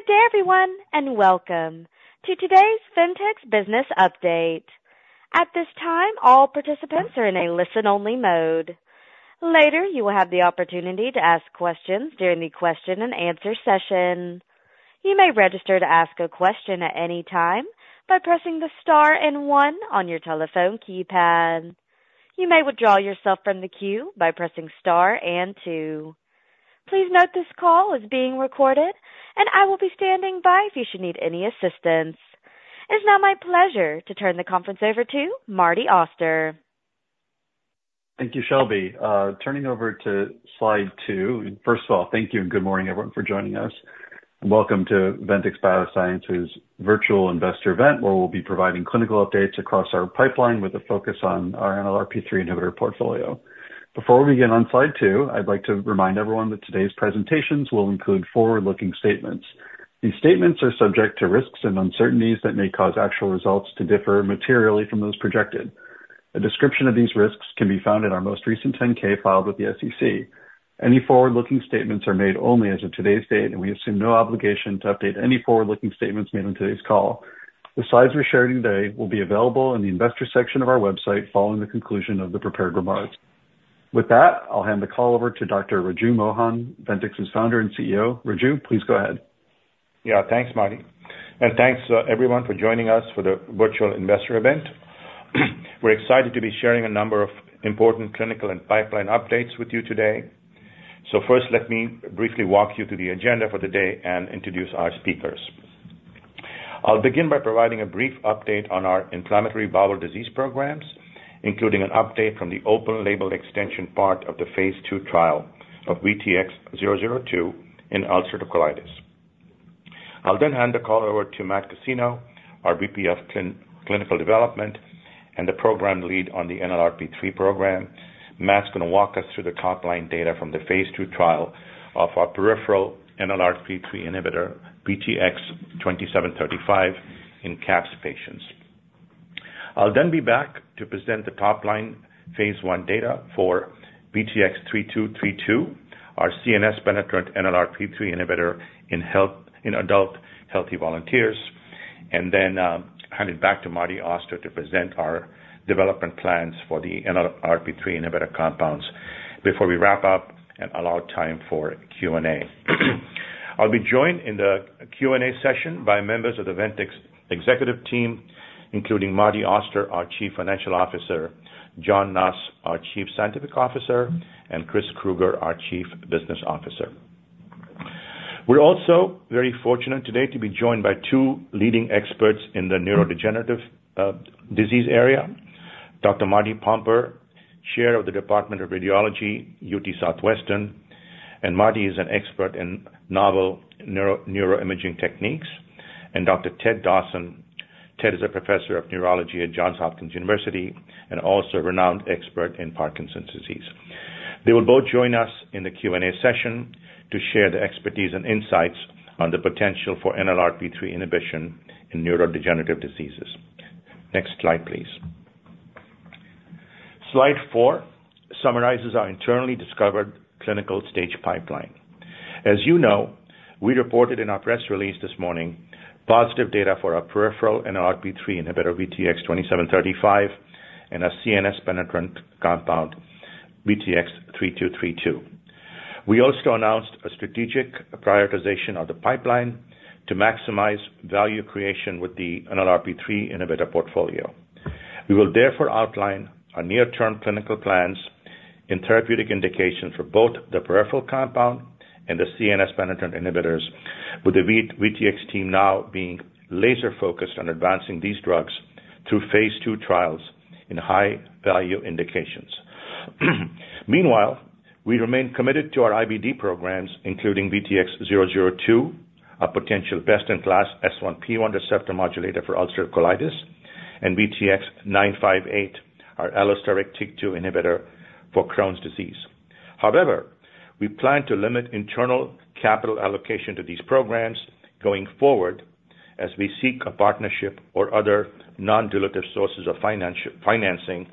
Good day, everyone, and welcome to today's Ventyx Business Update. At this time, all participants are in a listen-only mode. Later, you will have the opportunity to ask questions during the question-and-answer session. You may register to ask a question at any time by pressing the star and one on your telephone keypad. You may withdraw yourself from the queue by pressing star and two. Please note this call is being recorded, and I will be standing by if you should need any assistance. It's now my pleasure to turn the conference over to Marty Auster. Thank you, Shelby. Turning over to slide two. First of all, thank you, and good morning, everyone, for joining us. Welcome to Ventyx Biosciences' virtual investor event, where we'll be providing clinical updates across our pipeline with a focus on our NLRP3 inhibitor portfolio. Before we begin on slide two, I'd like to remind everyone that today's presentations will include forward-looking statements. These statements are subject to risks and uncertainties that may cause actual results to differ materially from those projected. A description of these risks can be found in our most recent 10-K filed with the SEC. Any forward-looking statements are made only as of today's date, and we assume no obligation to update any forward-looking statements made on today's call. The slides we're sharing today will be available in the Investor Section of our website following the conclusion of the prepared remarks. With that, I'll hand the call over to Dr. Raju Mohan, Ventyx's Founder and CEO. Raju, please go ahead. Yeah, thanks, Marty. Thanks, everyone for joining us for the virtual investor event. We're excited to be sharing a number of important clinical and pipeline updates with you today. So first, let me briefly walk you through the agenda for the day and introduce our speakers. I'll begin by providing a brief update on our inflammatory bowel disease programs, including an update from the open-label extension part of the phase II trial of VTX002 in ulcerative colitis. I'll then hand the call over to Matt Cascino, our VP of Clinical Development and the program lead on the NLRP3 program. Matt's going to walk us through the top-line data from the phase II trial of our peripheral NLRP3 inhibitor, VTX2735, in CAPS patients. I'll then be back to present the top-line phase I data for VTX3232, our CNS-penetrant NLRP3 inhibitor in adult healthy volunteers, and then hand it back to Marty Auster to present our development plans for the NLRP3 inhibitor compounds before we wrap up and allow time for Q&A. I'll be joined in the Q&A session by members of the Ventyx executive team, including Marty Auster, our Chief Financial Officer, John Nuss, our Chief Scientific Officer, and Chris Krueger, our Chief Business Officer. We're also very fortunate today to be joined by two leading experts in the neurodegenerative disease area: Dr. Martin Pomper, chair of the Department of Radiology, UT Southwestern, and Marty is an expert in novel neuroimaging techniques, and Dr. Ted Dawson. Ted is a professor of neurology at Johns Hopkins University and also a renowned expert in Parkinson's disease. They will both join us in the Q&A session to share their expertise and insights on the potential for NLRP3 inhibition in neurodegenerative diseases. Next slide, please. Slide four summarizes our internally discovered clinical stage pipeline. As you know, we reported in our press release this morning positive data for our peripheral NLRP3 inhibitor, VTX2735, and our CNS-penetrant compound, VTX3232. We also announced a strategic prioritization of the pipeline to maximize value creation with the NLRP3 inhibitor portfolio. We will therefore outline our near-term clinical plans and therapeutic indications for both the peripheral compound and the CNS-penetrant inhibitors, with the VTX team now being laser-focused on advancing these drugs through phase II trials in high-value indications. Meanwhile, we remain committed to our IBD programs, including VTX002, our potential best-in-class S1P1 receptor modulator for ulcerative colitis, and VTX958, our allosteric TYK2 inhibitor for Crohn's disease. However, we plan to limit internal capital allocation to these programs going forward as we seek a partnership or other non-dilutive sources of financing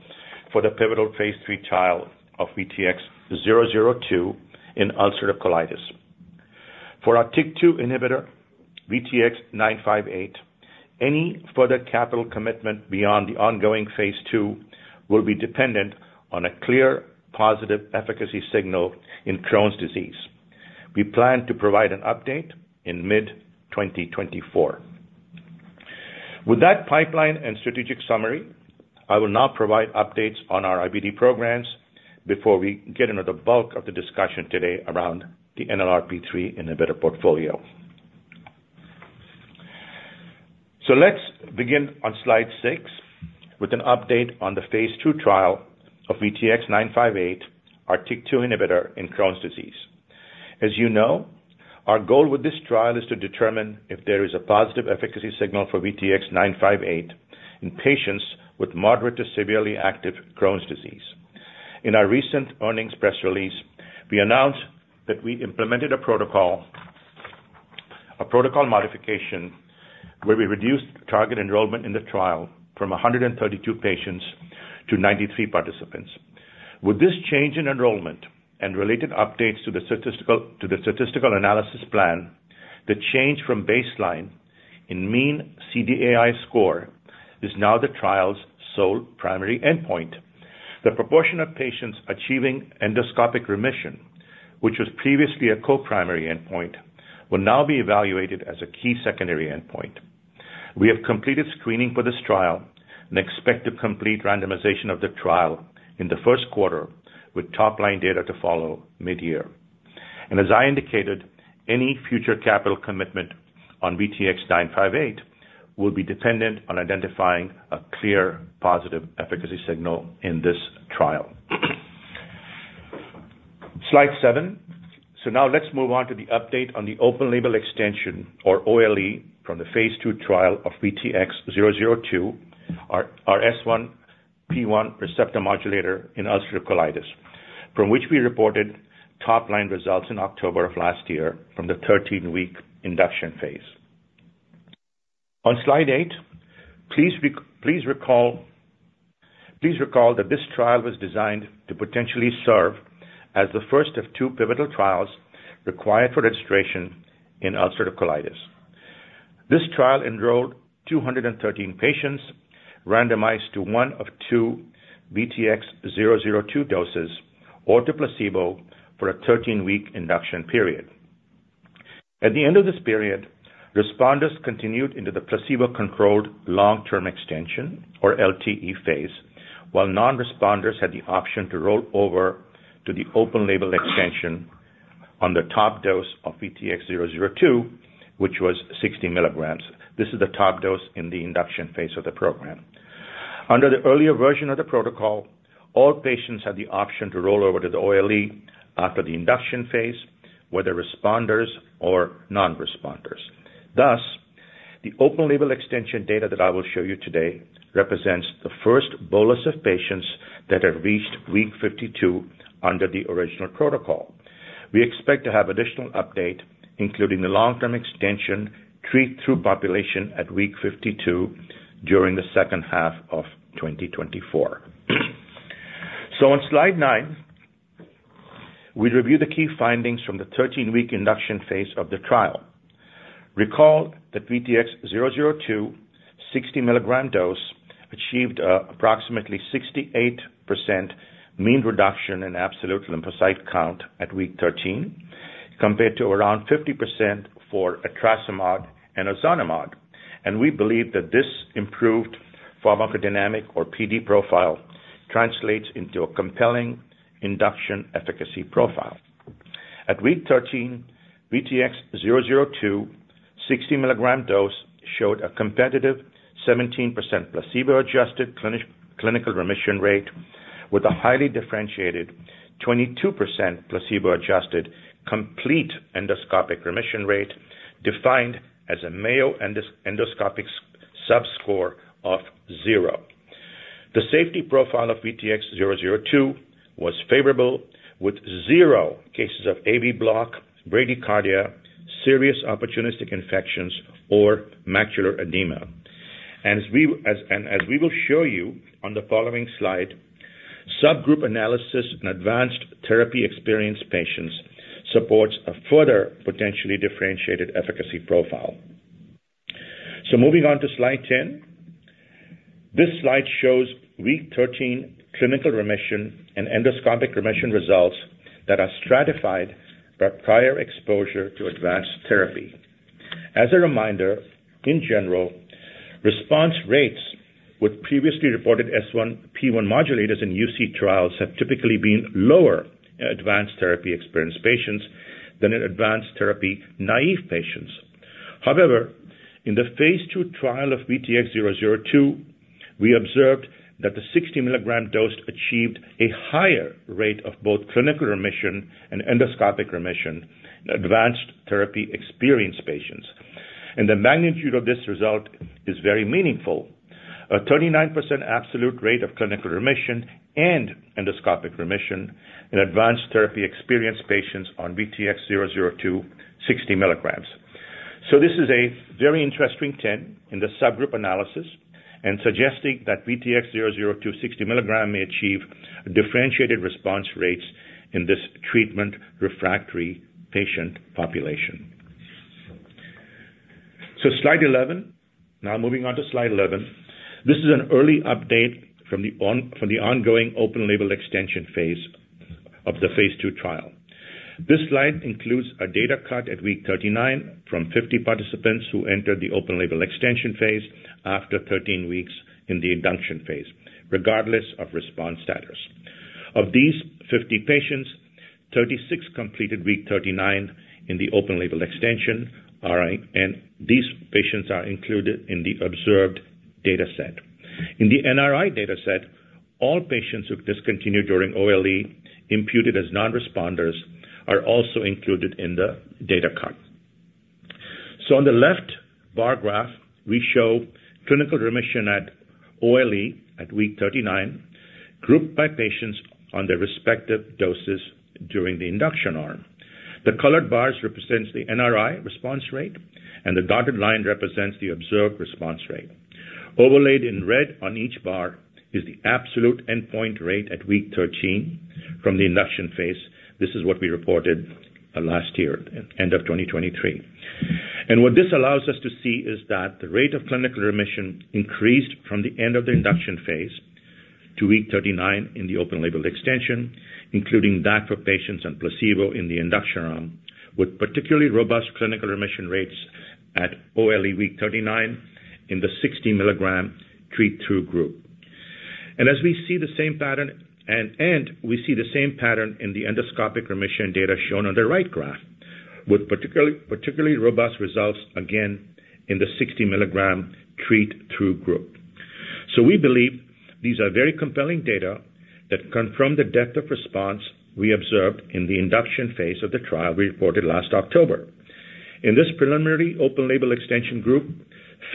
for the pivotal phase III trial of VTX002 in ulcerative colitis. For our TYK2 inhibitor, VTX958, any further capital commitment beyond the ongoing phase II will be dependent on a clear positive efficacy signal in Crohn's disease. We plan to provide an update in mid-2024. With that pipeline and strategic summary, I will now provide updates on our IBD programs before we get into the bulk of the discussion today around the NLRP3 inhibitor portfolio. So let's begin on slide six with an update on the phase II trial of VTX958, our TYK2 inhibitor in Crohn's disease. As you know, our goal with this trial is to determine if there is a positive efficacy signal for VTX958 in patients with moderate to severely active Crohn's disease. In our recent earnings press release, we announced that we implemented a protocol modification where we reduced target enrollment in the trial from 132 patients to 93 participants. With this change in enrollment and related updates to the statistical analysis plan, the change from baseline in mean CDAI score is now the trial's sole primary endpoint. The proportion of patients achieving endoscopic remission, which was previously a co-primary endpoint, will now be evaluated as a key secondary endpoint. We have completed screening for this trial and expect to complete randomization of the trial in the first quarter, with top-line data to follow mid-year. As I indicated, any future capital commitment on VTX958 will be dependent on identifying a clear positive efficacy signal in this trial. Slide seven. So now let's move on to the update on the open-label extension, or OLE, from the phase II trial of VTX002, our S1P1 receptor modulator in ulcerative colitis, from which we reported top-line results in October of last year from the 13-week induction phase. On slide eight, please recall that this trial was designed to potentially serve as the first of two pivotal trials required for registration in ulcerative colitis. This trial enrolled 213 patients randomized to one of two VTX002 doses or to placebo for a 13-week induction period. At the end of this period, respondents continued into the placebo-controlled long-term extension, or LTE, phase, while non-respondents had the option to roll over to the open-label extension on the top dose of VTX002, which was 60 mg. This is the top dose in the induction phase of the program. Under the earlier version of the protocol, all patients had the option to roll over to the OLE after the induction phase, whether responders or non-responders. Thus, the open-label extension data that I will show you today represents the first bolus of patients that have reached week 52 under the original protocol. We expect to have additional updates, including the long-term extension treat-through population at week 52 during the second half of 2024. On slide nine, we review the key findings from the 13-week induction phase of the trial. Recall that VTX002, 60 mg dose, achieved approximately 68% mean reduction in absolute lymphocyte count at week 13, compared to around 50% for etrasimod and ozanimod. We believe that this improved pharmacodynamic, or PD, profile translates into a compelling induction efficacy profile. At week 13, VTX002, 60 mg dose, showed a competitive 17% placebo-adjusted clinical remission rate, with a highly differentiated 22% placebo-adjusted complete endoscopic remission rate defined as a Mayo endoscopic subscore of zero. The safety profile of VTX002 was favorable, with zero cases of AV block, bradycardia, serious opportunistic infections, or macular edema. As we will show you on the following slide, subgroup analysis in advanced therapy experienced patients supports a further potentially differentiated efficacy profile. Moving on to slide 10. This slide shows week 13 clinical remission and endoscopic remission results that are stratified by prior exposure to advanced therapy. As a reminder, in general, response rates with previously reported S1P1 modulators in UC trials have typically been lower in advanced therapy experienced patients than in advanced therapy naïve patients. However, in the phase II trial of VTX002, we observed that the 60 mg dose achieved a higher rate of both clinical remission and endoscopic remission in advanced therapy experienced patients. And the magnitude of this result is very meaningful: a 39% absolute rate of clinical remission and endoscopic remission in advanced therapy experienced patients on VTX002, 60 mg. So this is a very interesting trend in the subgroup analysis and suggesting that VTX002, 60 mg, may achieve differentiated response rates in this treatment refractory patient population. So slide 11. Now moving on to slide 11. This is an early update from the ongoing open-label extension phase of the phase II trial. This slide includes a data cut at week 39 from 50 participants who entered the open-label extension phase after 13 weeks in the induction phase, regardless of response status. Of these 50 patients, 36 completed week 39 in the open-label extension, and these patients are included in the observed data set. In the NRI data set, all patients who discontinued during OLE, imputed as non-responders, are also included in the data cut. So on the left bar graph, we show clinical remission at OLE at week 39, grouped by patients on their respective doses during the induction arm. The colored bars represent the NRI response rate, and the dotted line represents the observed response rate. Overlaid in red on each bar is the absolute endpoint rate at week 13 from the induction phase. This is what we reported last year, end of 2023. What this allows us to see is that the rate of clinical remission increased from the end of the induction phase to week 39 in the open-label extension, including that for patients on placebo in the induction arm, with particularly robust clinical remission rates at OLE week 39 in the 60 mg treat-through group. As we see the same pattern, and we see the same pattern in the endoscopic remission data shown on the right graph, with particularly robust results, again, in the 60 mg treat-through group. We believe these are very compelling data that confirm the depth of response we observed in the induction phase of the trial we reported last October. In this preliminary open-label extension group,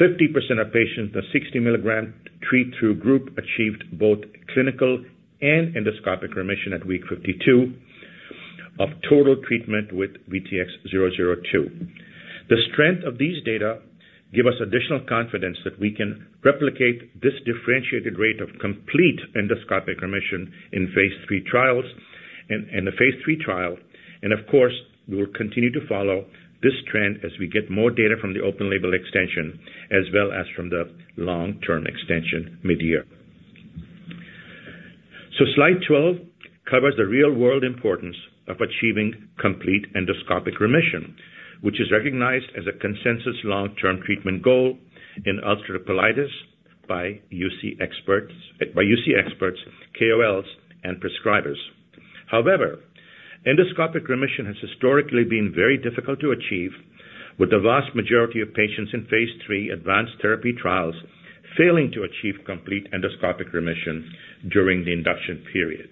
50% of patients in the 60 mg treat-through group achieved both clinical and endoscopic remission at week 52 of total treatment with VTX002. The strength of these data gives us additional confidence that we can replicate this differentiated rate of complete endoscopic remission in phase III trials and the phase III trial. Of course, we will continue to follow this trend as we get more data from the open-label extension as well as from the long-term extension mid-year. Slide 12 covers the real-world importance of achieving complete endoscopic remission, which is recognized as a consensus long-term treatment goal in ulcerative colitis by UC experts, KOLs, and prescribers. However, endoscopic remission has historically been very difficult to achieve, with the vast majority of patients in phase III advanced therapy trials failing to achieve complete endoscopic remission during the induction period.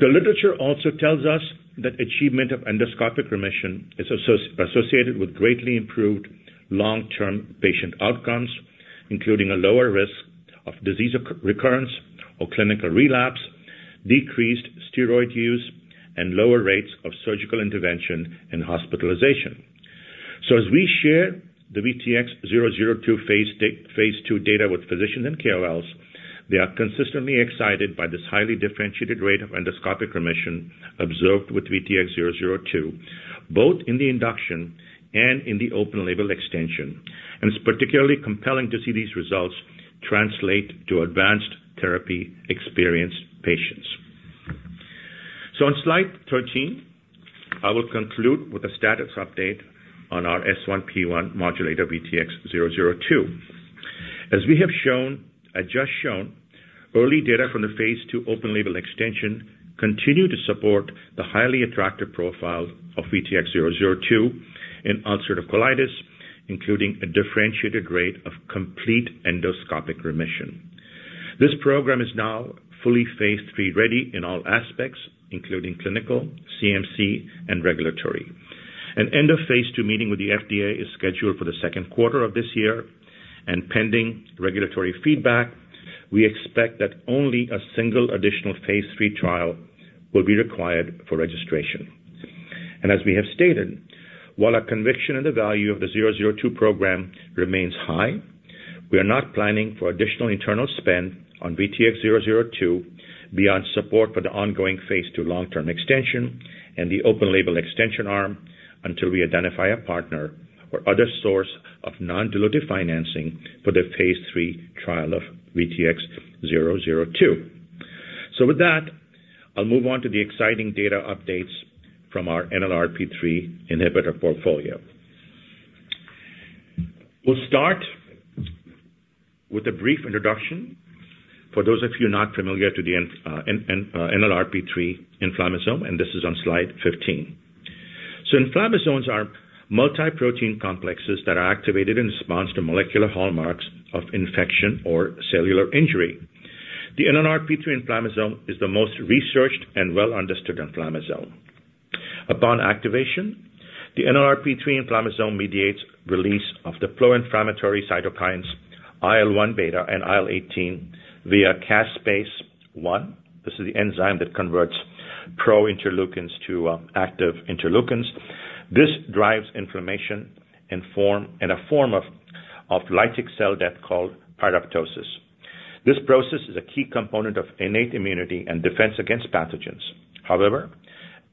The literature also tells us that achievement of endoscopic remission is associated with greatly improved long-term patient outcomes, including a lower risk of disease recurrence or clinical relapse, decreased steroid use, and lower rates of surgical intervention and hospitalization. As we share the VTX002 phase II data with physicians and KOLs, they are consistently excited by this highly differentiated rate of endoscopic remission observed with VTX002, both in the induction and in the open-label extension. It's particularly compelling to see these results translate to advanced therapy experienced patients. On slide 13, I will conclude with a status update on our S1P1 modulator, VTX002. As we have just shown, early data from the phase II open-label extension continue to support the highly attractive profile of VTX002 in ulcerative colitis, including a differentiated rate of complete endoscopic remission. This program is now fully phase III ready in all aspects, including clinical, CMC, and regulatory. An end of phase II meeting with the FDA is scheduled for the second quarter of this year. Pending regulatory feedback, we expect that only a single additional phase III trial will be required for registration. As we have stated, while our conviction in the value of the 002 program remains high, we are not planning for additional internal spend on VTX002 beyond support for the ongoing phase II long-term extension and the open-label extension arm until we identify a partner or other source of non-dilutive financing for the phase III trial of VTX002. With that, I'll move on to the exciting data updates from our NLRP3 inhibitor portfolio. We'll start with a brief introduction for those of you not familiar with the NLRP3 inflammasome, and this is on slide 15. So inflammasomes are multi-protein complexes that are activated in response to molecular hallmarks of infection or cellular injury. The NLRP3 inflammasome is the most researched and well-understood inflammasome. Upon activation, the NLRP3 inflammasome mediates release of the pro-inflammatory cytokines IL-1 beta and IL-18 via caspase-1. This is the enzyme that converts pro-interleukins to active interleukins. This drives inflammation and a form of lytic cell death called pyroptosis. This process is a key component of innate immunity and defense against pathogens. However,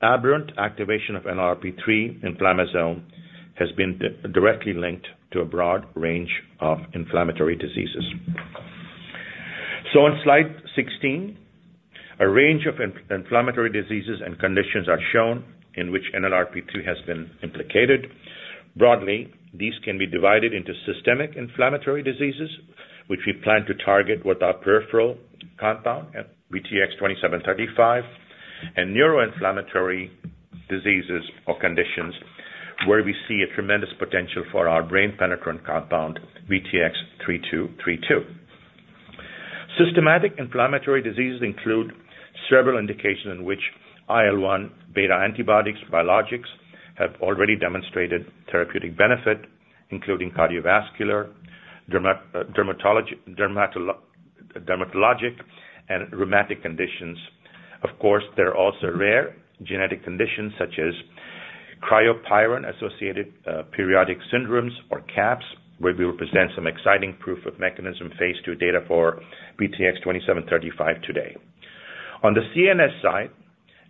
aberrant activation of NLRP3 inflammasome has been directly linked to a broad range of inflammatory diseases. So on slide 16, a range of inflammatory diseases and conditions are shown in which NLRP3 has been implicated. Broadly, these can be divided into systemic inflammatory diseases, which we plan to target with our peripheral compound, VTX2735, and neuroinflammatory diseases or conditions where we see a tremendous potential for our brain penetrant compound, VTX3232. Systemic inflammatory diseases include several indications in which IL-1 beta antibodies, biologics, have already demonstrated therapeutic benefit, including cardiovascular, dermatologic, and rheumatic conditions. Of course, there are also rare genetic conditions such as cryopyrin-associated periodic syndromes, or CAPS, where we will present some exciting proof of mechanism phase II data for VTX2735 today. On the CNS side,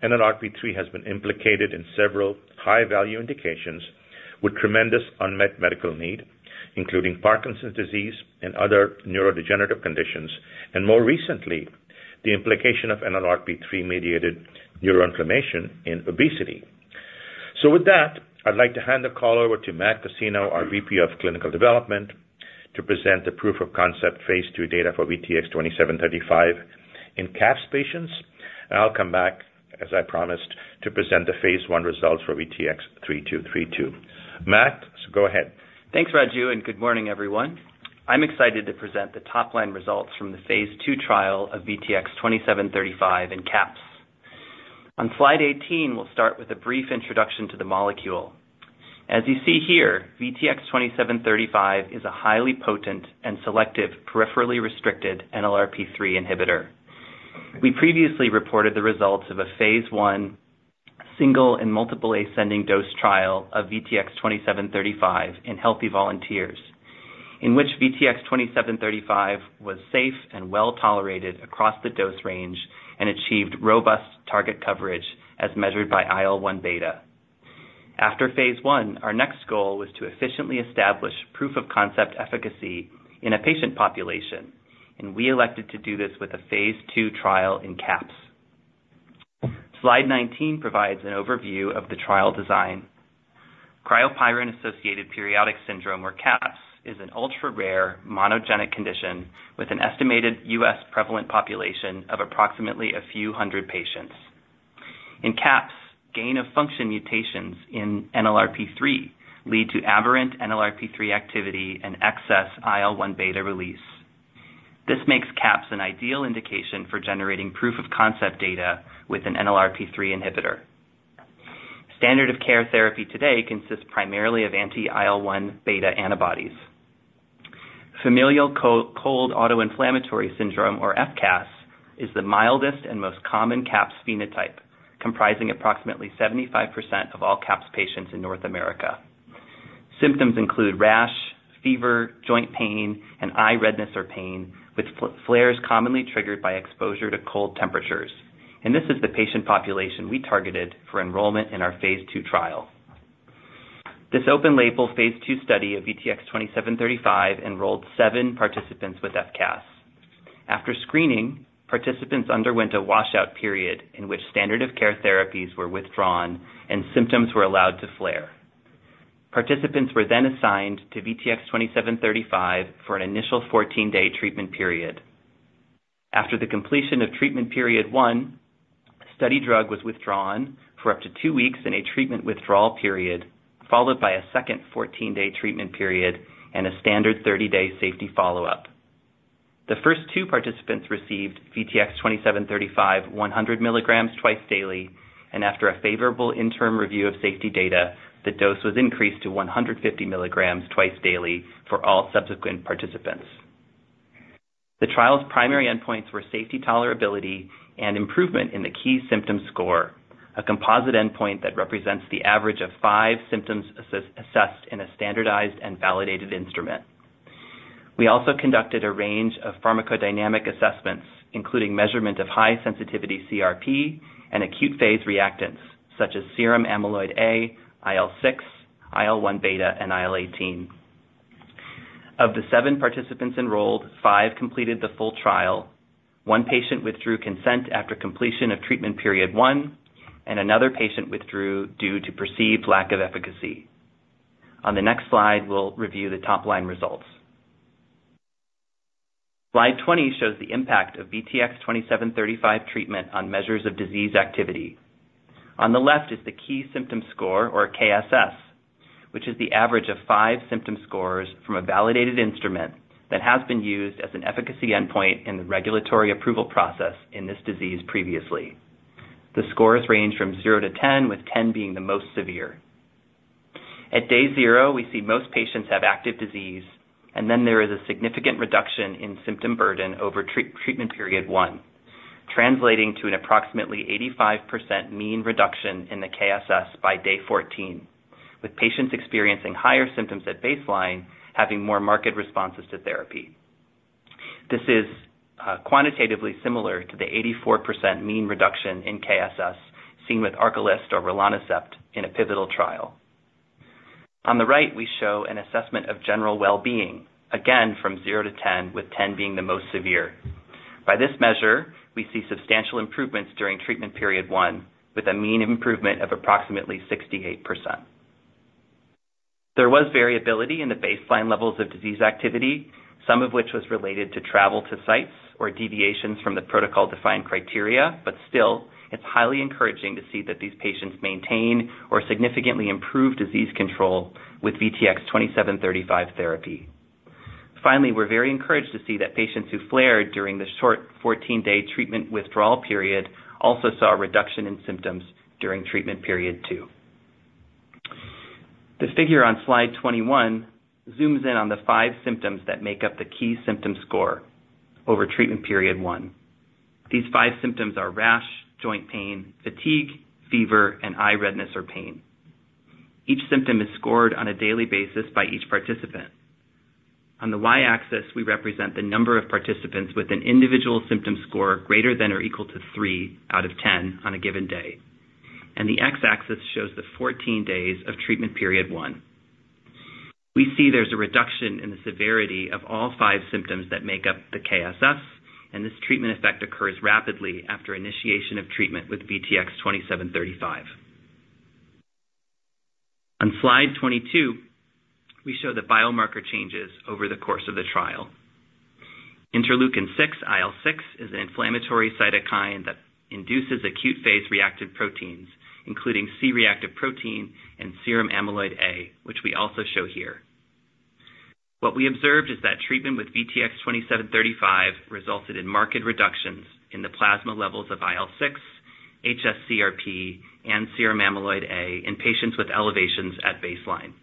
NLRP3 has been implicated in several high-value indications with tremendous unmet medical need, including Parkinson's disease and other neurodegenerative conditions, and more recently, the implication of NLRP3-mediated neuroinflammation in obesity. With that, I'd like to hand the call over to Matt Cascino, our VP of Clinical Development, to present the proof-of-concept phase II data for VTX2735 in CAPS patients. I'll come back, as I promised, to present the phase I results for VTX3232. Matt, go ahead. Thanks, Raju, and good morning, everyone. I'm excited to present the top-line results from the phase II trial of VTX2735 in CAPS. On slide 18, we'll start with a brief introduction to the molecule. As you see here, VTX2735 is a highly potent and selective peripherally restricted NLRP3 inhibitor. We previously reported the results of a phase I single and multiple ascending dose trial of VTX2735 in healthy volunteers, in which VTX2735 was safe and well-tolerated across the dose range and achieved robust target coverage as measured by IL-1 beta. After phase I, our next goal was to efficiently establish proof of concept efficacy in a patient population, and we elected to do this with a phase II trial in CAPS. Slide 19 provides an overview of the trial design. Cryopyrin-associated periodic syndrome, or CAPS, is an ultra-rare monogenic condition with an estimated U.S. prevalent population of approximately a few hundred patients. In CAPS, gain-of-function mutations in NLRP3 lead to aberrant NLRP3 activity and excess IL-1 beta release. This makes CAPS an ideal indication for generating proof of concept data with an NLRP3 inhibitor. Standard-of-care therapy today consists primarily of anti-IL-1 beta antibodies. Familial cold autoinflammatory syndrome, or FCAS, is the mildest and most common CAPS phenotype, comprising approximately 75% of all CAPS patients in North America. Symptoms include rash, fever, joint pain, and eye redness or pain, with flares commonly triggered by exposure to cold temperatures. This is the patient population we targeted for enrollment in our phase II trial. This open-label phase II study of VTX2735 enrolled seven participants with FCAS. After screening, participants underwent a washout period in which standard-of-care therapies were withdrawn and symptoms were allowed to flare. Participants were then assigned to VTX2735 for an initial 14-day treatment period. After the completion of treatment period one, study drug was withdrawn for up to two weeks in a treatment withdrawal period, followed by a second 14-day treatment period and a standard 30-day safety follow-up. The first two participants received VTX2735 100 mg twice daily, and after a favorable interim review of safety data, the dose was increased to 150 mg twice daily for all subsequent participants. The trial's primary endpoints were safety, tolerability, and improvement in the key symptom score, a composite endpoint that represents the average of 5 symptoms assessed in a standardized and validated instrument. We also conducted a range of pharmacodynamic assessments, including measurement of high-sensitivity CRP and acute phase reactants, such as serum amyloid A, IL-6, IL-1 beta, and IL-18. Of the seven participants enrolled, five completed the full trial, one patient withdrew consent after completion of treatment period 1, and another patient withdrew due to perceived lack of efficacy. On the next slide, we'll review the top-line results. Slide 20 shows the impact of VTX2735 treatment on measures of disease activity. On the left is the key symptom score, or KSS, which is the average of five symptom scores from a validated instrument that has been used as an efficacy endpoint in the regulatory approval process in this disease previously. The scores range from zero to 10, with 10 being the most severe. At day zero, we see most patients have active disease, and then there is a significant reduction in symptom burden over treatment period one, translating to an approximately 85% mean reduction in the KSS by day 14, with patients experiencing higher symptoms at baseline having more marked responses to therapy. This is quantitatively similar to the 84% mean reduction in KSS seen with Arcalyst or rilonacept in a pivotal trial. On the right, we show an assessment of general well-being, again from zero to 10, with 10 being the most severe. By this measure, we see substantial improvements during treatment period one, with a mean improvement of approximately 68%. There was variability in the baseline levels of disease activity, some of which was related to travel to sites or deviations from the protocol-defined criteria. But still, it's highly encouraging to see that these patients maintain or significantly improve disease control with VTX2735 therapy. Finally, we're very encouraged to see that patients who flared during the short 14-day treatment withdrawal period also saw a reduction in symptoms during treatment period two. The figure on slide 21 zooms in on the five symptoms that make up the key symptom score over treatment period one. These five symptoms are rash, joint pain, fatigue, fever, and eye redness or pain. Each symptom is scored on a daily basis by each participant. On the y-axis, we represent the number of participants with an individual symptom score greater than or equal to three out of 10 on a given day. And the x-axis shows the 14 days of treatment period one. We see there's a reduction in the severity of all five symptoms that make up the KSS, and this treatment effect occurs rapidly after initiation of treatment with VTX2735. On slide 22, we show the biomarker changes over the course of the trial. Interleukin-6, IL-6, is an inflammatory cytokine that induces acute phase reactive proteins, including C-reactive protein and serum amyloid A, which we also show here. What we observed is that treatment with VTX2735 resulted in marked reductions in the plasma levels of IL-6, hsCRP, and serum amyloid A in patients with elevations at baseline.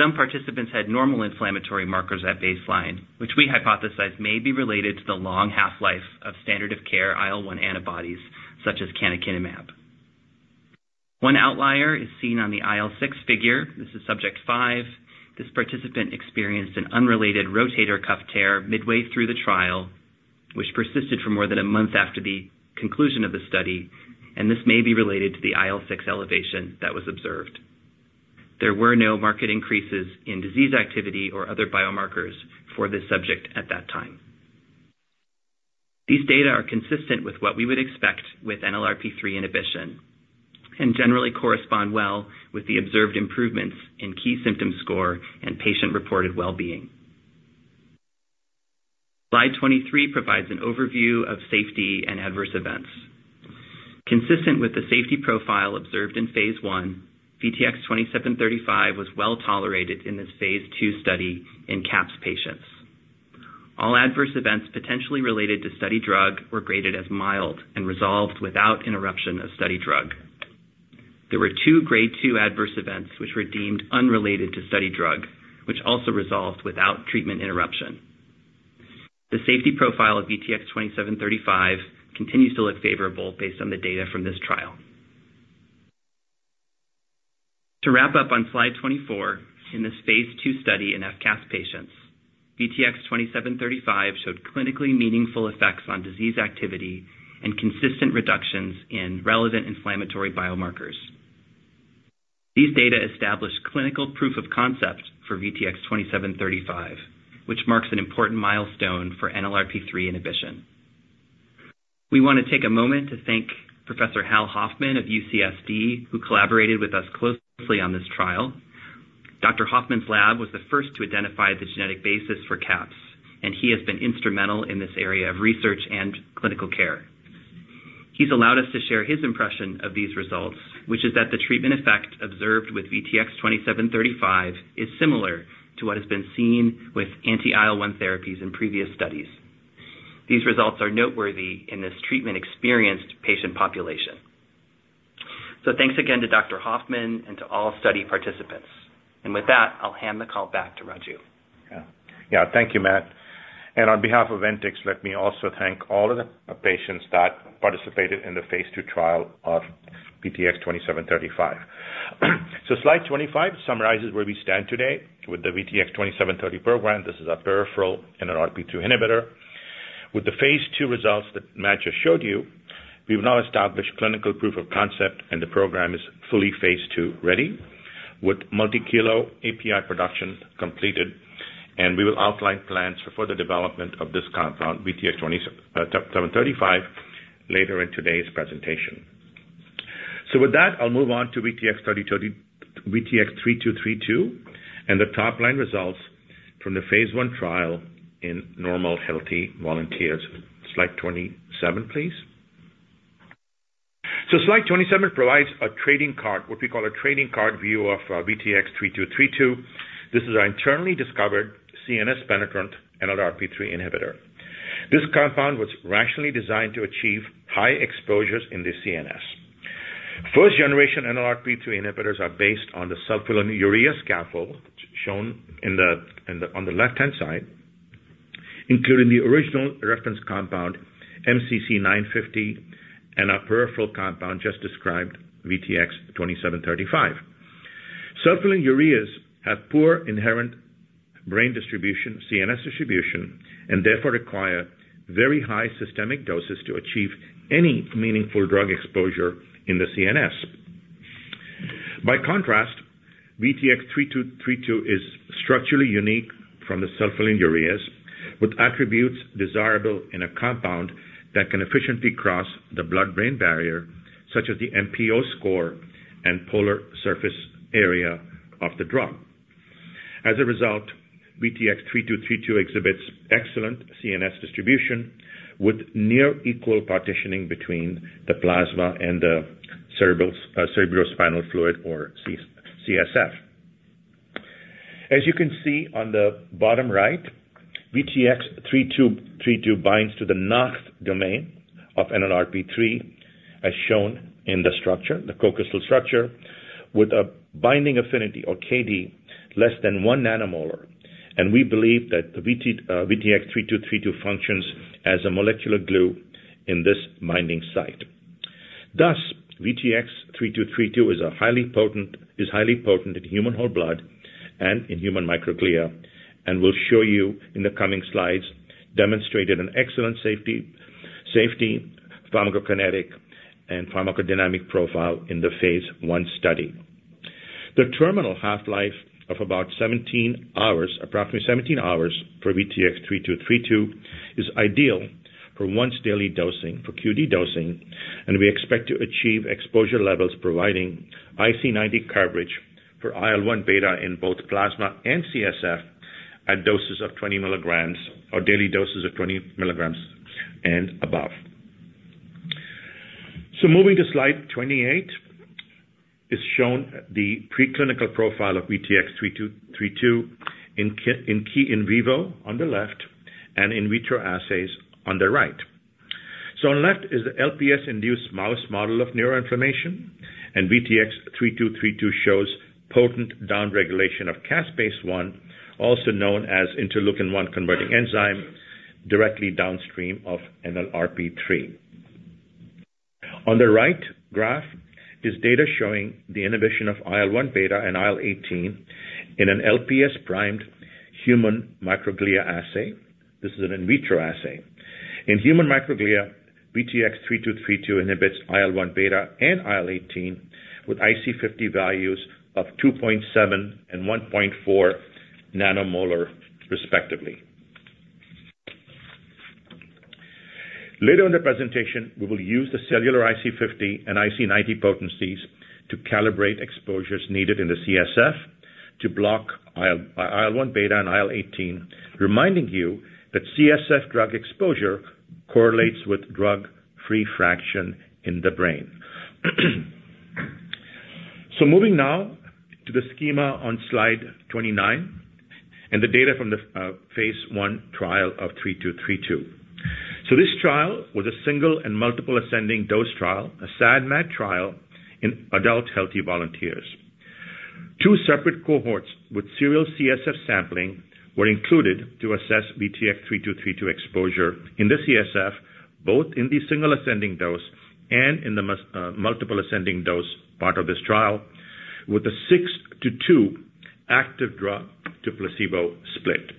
Some participants had normal inflammatory markers at baseline, which we hypothesize may be related to the long half-life of standard-of-care IL-1 antibodies, such as canakinumab. One outlier is seen on the IL-6 figure. This is subject 5. This participant experienced an unrelated rotator cuff tear midway through the trial, which persisted for more than a month after the conclusion of the study. This may be related to the IL-6 elevation that was observed. There were no marked increases in disease activity or other biomarkers for this subject at that time. These data are consistent with what we would expect with NLRP3 inhibition and generally correspond well with the observed improvements in key symptom score and patient-reported well-being. Slide 23 provides an overview of safety and adverse events. Consistent with the safety profile observed in phase I, VTX2735 was well-tolerated in this phase II study in CAPS patients. All adverse events potentially related to study drug were graded as mild and resolved without interruption of study drug. There were two grade two adverse events which were deemed unrelated to study drug, which also resolved without treatment interruption. The safety profile of VTX2735 continues to look favorable based on the data from this trial. To wrap up on slide 24, in this phase II study in FCAS patients, VTX2735 showed clinically meaningful effects on disease activity and consistent reductions in relevant inflammatory biomarkers. These data establish clinical proof of concept for VTX2735, which marks an important milestone for NLRP3 inhibition. We want to take a moment to thank Professor Hal Hoffman of UCSD, who collaborated with us closely on this trial. Dr. Hoffman's lab was the first to identify the genetic basis for CAPS, and he has been instrumental in this area of research and clinical care. He's allowed us to share his impression of these results, which is that the treatment effect observed with VTX2735 is similar to what has been seen with anti-IL-1 therapies in previous studies. These results are noteworthy in this treatment-experienced patient population. Thanks again to Dr. Hoffman and to all study participants. With that, I'll hand the call back to Raju. Yeah. Yeah, thank you, Matt. And on behalf of Ventyx, let me also thank all of the patients that participated in the phase II trial of VTX2735. Slide 25 summarizes where we stand today with the VTX2735 program. This is a peripheral NLRP3 inhibitor. With the phase II results that Matt just showed you, we've now established clinical proof of concept, and the program is fully phase II ready, with multikilo API production completed. And we will outline plans for further development of this compound, VTX2735, later in today's presentation. With that, I'll move on to VTX3232 and the top-line results from the phase I trial in normal, healthy volunteers. Slide 27, please. Slide 27 provides a trading card, what we call a trading card view of VTX3232. This is our internally discovered CNS-penetrant NLRP3 inhibitor. This compound was rationally designed to achieve high exposures in the CNS. First-generation NLRP3 inhibitors are based on the sulfonylurea scaffold shown on the left-hand side, including the original reference compound, MCC950, and our peripheral compound just described, VTX2735. Sulfonylureas have poor inherent brain distribution, CNS distribution, and therefore require very high systemic doses to achieve any meaningful drug exposure in the CNS. By contrast, VTX3232 is structurally unique from the sulfonylureas, with attributes desirable in a compound that can efficiently cross the blood-brain barrier, such as the MPO score and polar surface area of the drug. As a result, VTX3232 exhibits excellent CNS distribution with near-equal partitioning between the plasma and the cerebrospinal fluid, or CSF. As you can see on the bottom right, VTX3232 binds to the NACHT domain of NLRP3, as shown in the structure, the co-crystal structure, with a binding affinity, or KD, less than 1 nanomolar. We believe that the VTX3232 functions as a molecular glue in this binding site. Thus, VTX3232 is highly potent in human whole blood and in human microglia, and will show you in the coming slides demonstrated an excellent safety pharmacokinetic and pharmacodynamic profile in the phase I study. The terminal half-life of about 17 hours, approximately 17 hours, for VTX3232 is ideal for once-daily dosing, for q.d. dosing. We expect to achieve exposure levels providing IC90 coverage for IL-1 beta in both plasma and CSF at doses of 20 mg, or daily doses of 20 mg and above. So moving to slide 28, it's shown the preclinical profile of VTX3232 in key in vivo on the left and in vitro assays on the right. So on the left is the LPS-induced mouse model of neuroinflammation, and VTX3232 shows potent downregulation of caspase-1, also known as interleukin-1 converting enzyme, directly downstream of NLRP3. On the right graph is data showing the inhibition of IL-1 beta and IL-18 in an LPS-primed human microglia assay. This is an in vitro assay. In human microglia, VTX3232 inhibits IL-1 beta and IL-18 with IC50 values of 2.7 and 1.4 nanomolar, respectively. Later in the presentation, we will use the cellular IC50 and IC90 potencies to calibrate exposures needed in the CSF to block IL-1 beta and IL-18, reminding you that CSF drug exposure correlates with drug-free fraction in the brain. So moving now to the schema on slide 29 and the data from the phase I trial of VTX3232. So this trial was a single and multiple-ascending dose trial, a SAD/MAD trial in adult healthy volunteers. Two separate cohorts with serial CSF sampling were included to assess VTX3232 exposure in the CSF, both in the single-ascending dose and in the multiple-ascending dose part of this trial, with a six-to-two active drug-to-placebo split.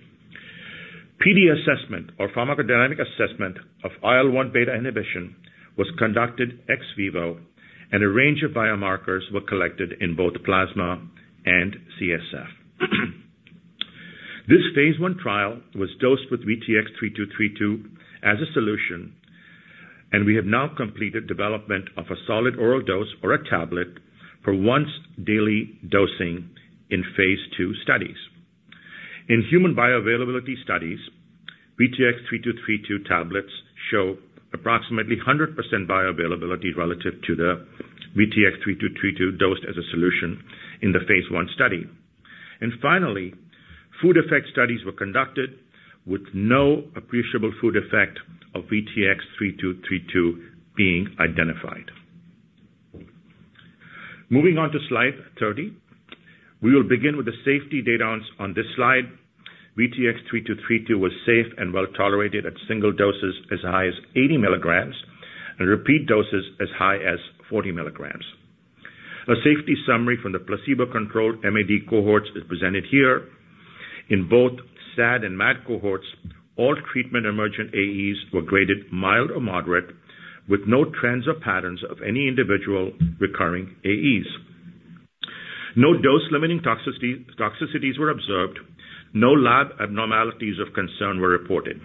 PD assessment, or pharmacodynamic assessment, of IL-1 beta inhibition was conducted ex vivo, and a range of biomarkers were collected in both plasma and CSF. This phase I trial was dosed with VTX3232 as a solution, and we have now completed development of a solid oral dose, or a tablet, for once-daily dosing in phase II studies. In human bioavailability studies, VTX3232 tablets show approximately 100% bioavailability relative to the VTX3232 dosed as a solution in the phase I study. Finally, food effect studies were conducted, with no appreciable food effect of VTX3232 being identified. Moving on to slide 30, we will begin with the safety data. On this slide, VTX3232 was safe and well-tolerated at single doses as high as 80 mg and repeat doses as high as 40 mg. A safety summary from the placebo-controlled MAD cohorts is presented here. In both SAD and MAD cohorts, all treatment-emergent AEs were graded mild or moderate, with no trends or patterns of any individual recurring AEs. No dose-limiting toxicities were observed. No lab abnormalities of concern were reported.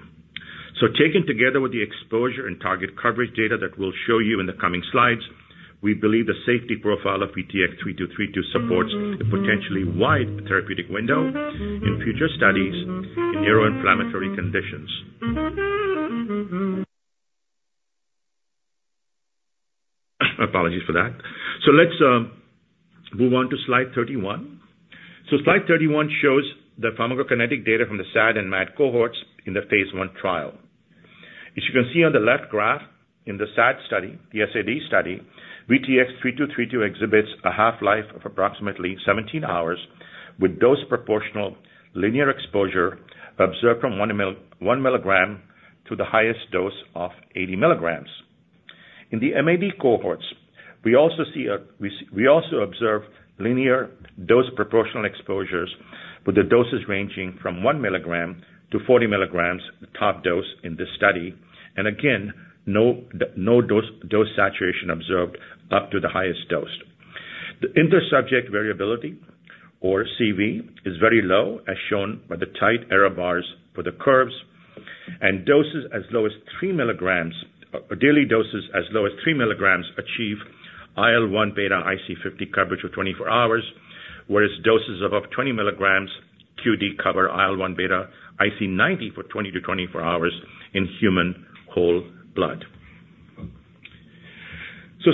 So taken together with the exposure and target coverage data that we'll show you in the coming slides, we believe the safety profile of VTX3232 supports a potentially wide therapeutic window in future studies in neuroinflammatory conditions. Apologies for that. Let's move on to slide 31. Slide 31 shows the pharmacokinetic data from the SAD and MAD cohorts in the phase I trial. As you can see on the left graph, in the SAD study, VTX3232 exhibits a half-life of approximately 17 hours, with dose-proportional linear exposure observed from 1 mg to the highest dose of 80 mg. In the MAD cohorts, we also observe linear dose-proportional exposures, with the doses ranging from 1 mg to 40 mg, the top dose in this study. Again, no dose saturation observed up to the highest dose. The intersubject variability, or CV, is very low, as shown by the tight error bars for the curves. Doses as low as 3 mg, or daily doses as low as 3 mg, achieve IL-1 beta IC50 coverage for 24 hours, whereas doses above 20 mg q.d. cover IL-1 beta IC90 for 20-24 hours in human whole blood.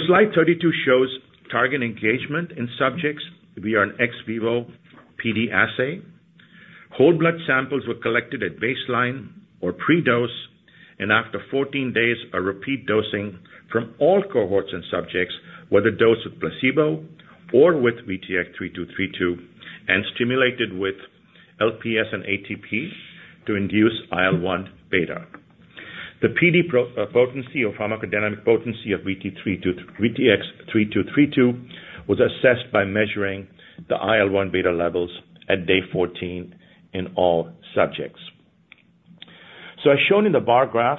Slide 32 shows target engagement in subjects. We are an ex vivo PD assay. Whole blood samples were collected at baseline, or pre-dose, and after 14 days, a repeat dosing from all cohorts and subjects were the dosed with placebo or with VTX3232 and stimulated with LPS and ATP to induce IL-1 beta. The PD potency, or pharmacodynamic potency, of VTX3232 was assessed by measuring the IL-1 beta levels at day 14 in all subjects. As shown in the bar graph,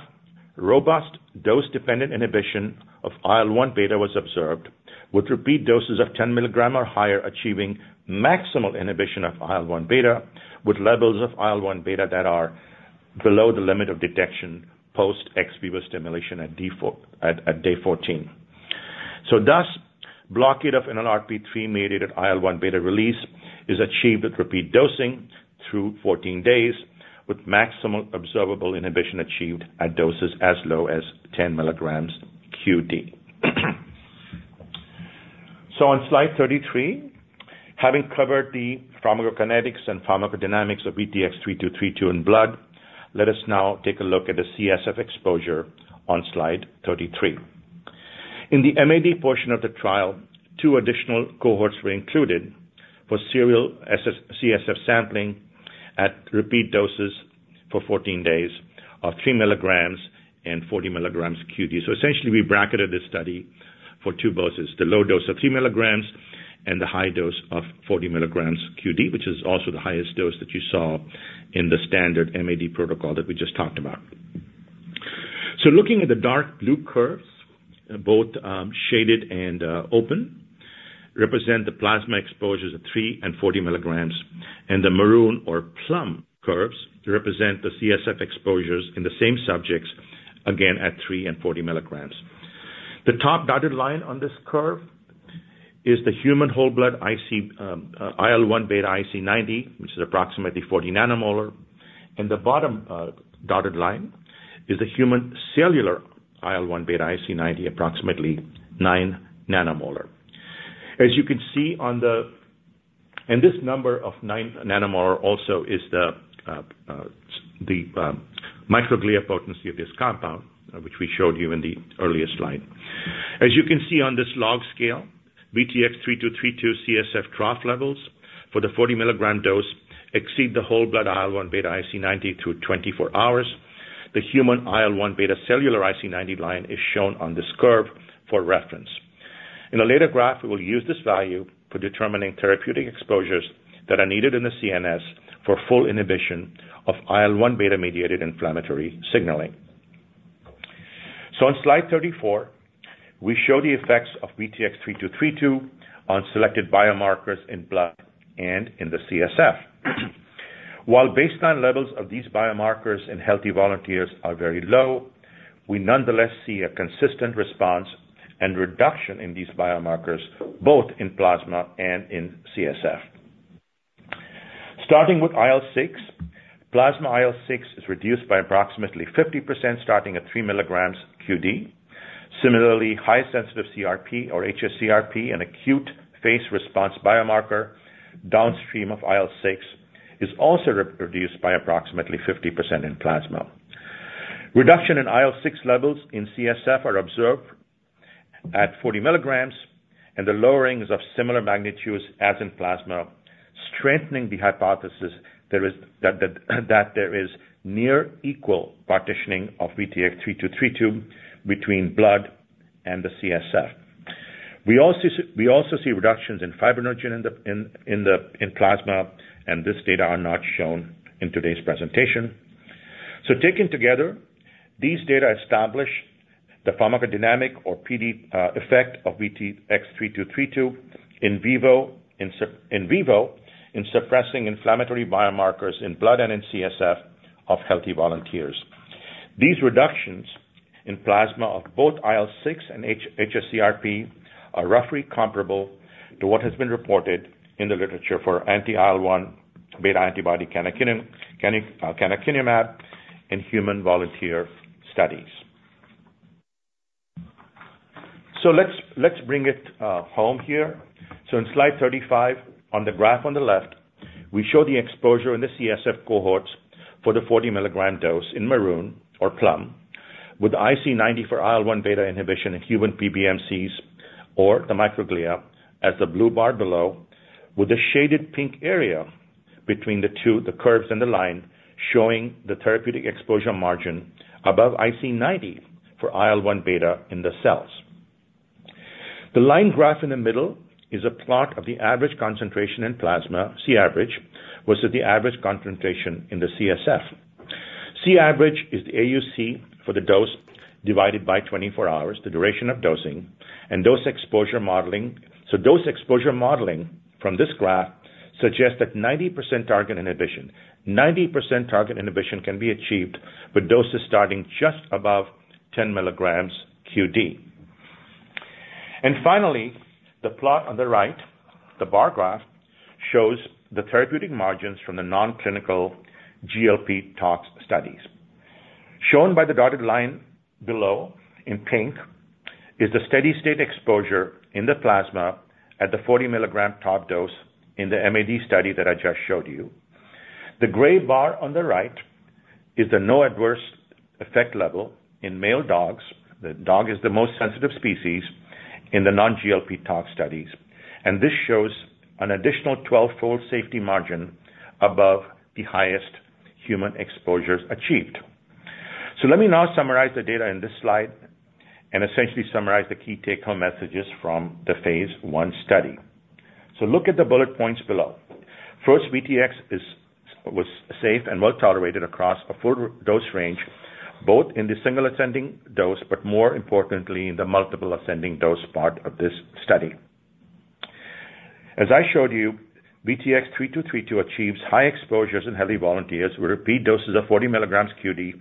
robust dose-dependent inhibition of IL-1 beta was observed, with repeat doses of 10 mg or higher achieving maximal inhibition of IL-1 beta, with levels of IL-1 beta that are below the limit of detection post-ex vivo stimulation at day 14. Thus, blockade of NLRP3-mediated IL-1 beta release is achieved with repeat dosing through 14 days, with maximal observable inhibition achieved at doses as low as 10 mg q.d. On slide 33, having covered the pharmacokinetics and pharmacodynamics of VTX3232 in blood, let us now take a look at the CSF exposure on slide 33. In the MAD portion of the trial, two additional cohorts were included for serial CSF sampling at repeat doses for 14 days of 3 mg and 40 mg q.d. So essentially, we bracketed this study for two doses: the low dose of 3 mg and the high dose of 40 mg q.d., which is also the highest dose that you saw in the standard MAD protocol that we just talked about. So looking at the dark blue curves, both shaded and open, represent the plasma exposures of 3 mg and 40 mg, and the maroon, or plum, curves represent the CSF exposures in the same subjects, again at 3 mg and 40 mg. The top dotted line on this curve is the human whole blood IC IL-1 beta IC90, which is approximately 40 nanomolar. And the bottom dotted line is the human cellular IL-1 beta IC90, approximately 9 nanomolar. As you can see on the and this number of 9 nanomolar also is the microglia potency of this compound, which we showed you in the earlier slide. As you can see on this log scale, VTX3232 CSF trough levels for the 40 mg dose exceed the whole blood IL-1 beta IC90 through 24 hours. The human IL-1 beta cellular IC90 line is shown on this curve for reference. In a later graph, we will use this value for determining therapeutic exposures that are needed in the CNS for full inhibition of IL-1 beta-mediated inflammatory signaling. So on slide 34, we show the effects of VTX3232 on selected biomarkers in blood and in the CSF. While baseline levels of these biomarkers in healthy volunteers are very low, we nonetheless see a consistent response and reduction in these biomarkers, both in plasma and in CSF. Starting with IL-6, plasma IL-6 is reduced by approximately 50% starting at 3 mg q.d. Similarly, high-sensitivity CRP, or hsCRP, an acute phase response biomarker downstream of IL-6, is also reduced by approximately 50% in plasma. Reduction in IL-6 levels in CSF are observed at 40 mg and the lowerings of similar magnitudes as in plasma, strengthening the hypothesis that there is near-equal partitioning of VTX3232 between blood and the CSF. We also see reductions in fibrinogen in plasma, and this data is not shown in today's presentation. So taken together, these data establish the pharmacodynamic, or PD, effect of VTX3232 in vivo in suppressing inflammatory biomarkers in blood and in CSF of healthy volunteers. These reductions in plasma of both IL-6 and hsCRP are roughly comparable to what has been reported in the literature for anti-IL-1 beta antibody canakinumab in human volunteer studies. So let's bring it home here. So in slide 35, on the graph on the left, we show the exposure in the CSF cohorts for the 40 mg dose in maroon, or plum, with IC90 for IL-1 beta inhibition in human PBMCs, or the microglia, as the blue bar below, with a shaded pink area between the curves and the line showing the therapeutic exposure margin above IC90 for IL-1 beta in the cells. The line graph in the middle is a plot of the average concentration in plasma, C-average, versus the average concentration in the CSF. C-average is the AUC for the dose divided by 24 hours, the duration of dosing, and dose exposure modeling. So dose exposure modeling from this graph suggests that 90% target inhibition, 90% target inhibition can be achieved with doses starting just above 10 mg q.d. Finally, the plot on the right, the bar graph, shows the therapeutic margins from the non-clinical GLP tox studies. Shown by the dotted line below in pink is the steady-state exposure in the plasma at the 40 mg top dose in the MAD study that I just showed you. The gray bar on the right is the no-adverse effect level in male dogs. The dog is the most sensitive species in the non-GLP tox studies, and this shows an additional 12-fold safety margin above the highest human exposures achieved. Let me now summarize the data in this slide and essentially summarize the key take-home messages from the phase I study. Look at the bullet points below. First, VTX was safe and well-tolerated across a full dose range, both in the single-ascending dose but, more importantly, in the multiple-ascending dose part of this study. As I showed you, VTX3232 achieves high exposures in healthy volunteers with repeat doses of 40 mg q.d.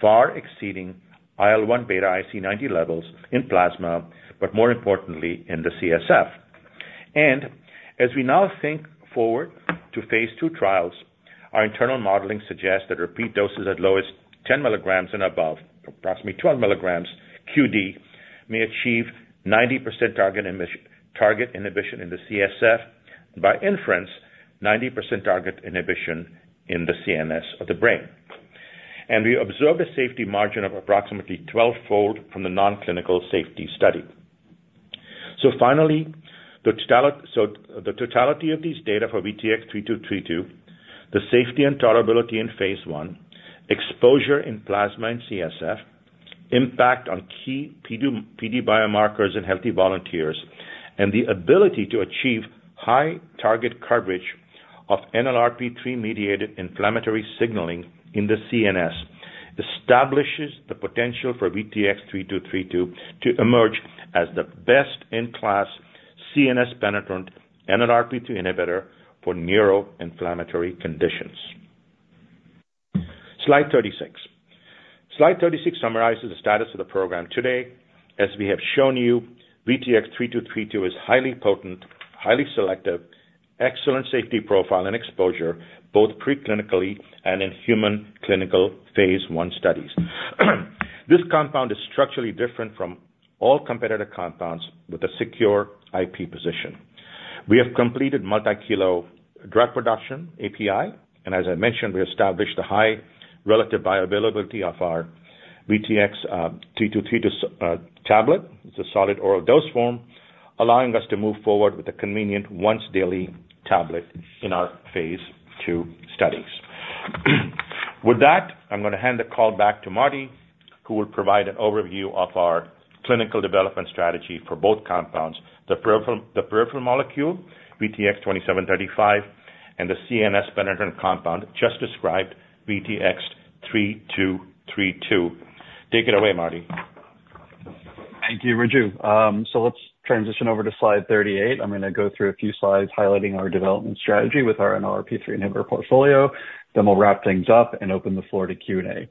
far exceeding IL-1 beta IC90 levels in plasma but, more importantly, in the CSF. As we now think forward to phase II trials, our internal modeling suggests that repeat doses at lowest 10 mg and above, approximately 12 mg q.d., may achieve 90% target inhibition in the CSF and, by inference, 90% target inhibition in the CNS of the brain. We observed a safety margin of approximately 12-fold from the non-clinical safety study. So finally, the totality of these data for VTX3232, the safety and tolerability in phase I, exposure in plasma and CSF, impact on key PD biomarkers in healthy volunteers, and the ability to achieve high target coverage of NLRP3-mediated inflammatory signaling in the CNS establishes the potential for VTX3232 to emerge as the best-in-class CNS-penetrant NLRP3 inhibitor for neuroinflammatory conditions. Slide 36. Slide 36 summarizes the status of the program today. As we have shown you, VTX3232 is highly potent, highly selective, excellent safety profile and exposure both preclinically and in human clinical phase I studies. This compound is structurally different from all competitor compounds with a secure IP position. We have completed multi-kilo drug production API, and as I mentioned, we established the high relative viability of our VTX3232 tablet. It's a solid oral dose form, allowing us to move forward with a convenient once-daily tablet in our phase II studies. With that, I'm going to hand the call back to Marty, who will provide an overview of our clinical development strategy for both compounds, the peripheral molecule, VTX2735, and the CNS-penetrant compound just described, VTX3232. Take it away, Marty. Thank you, Raju. So let's transition over to slide 38. I'm going to go through a few slides highlighting our development strategy with our NLRP3 inhibitor portfolio, then we'll wrap things up and open the floor to Q&A.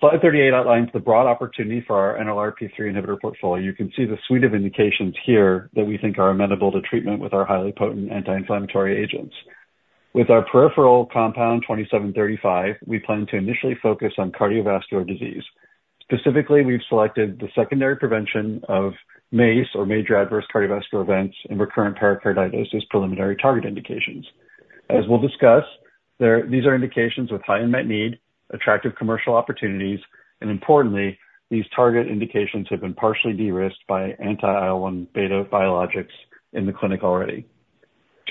Slide 38 outlines the broad opportunity for our NLRP3 inhibitor portfolio. You can see the suite of indications here that we think are amenable to treatment with our highly potent anti-inflammatory agents. With our peripheral compound, 2735, we plan to initially focus on cardiovascular disease. Specifically, we've selected the secondary prevention of MACE, or major adverse cardiovascular events, and recurrent pericarditis as preliminary target indications. As we'll discuss, these are indications with high unmet need, attractive commercial opportunities, and, importantly, these target indications have been partially de-risked by anti-IL-1 beta biologics in the clinic already.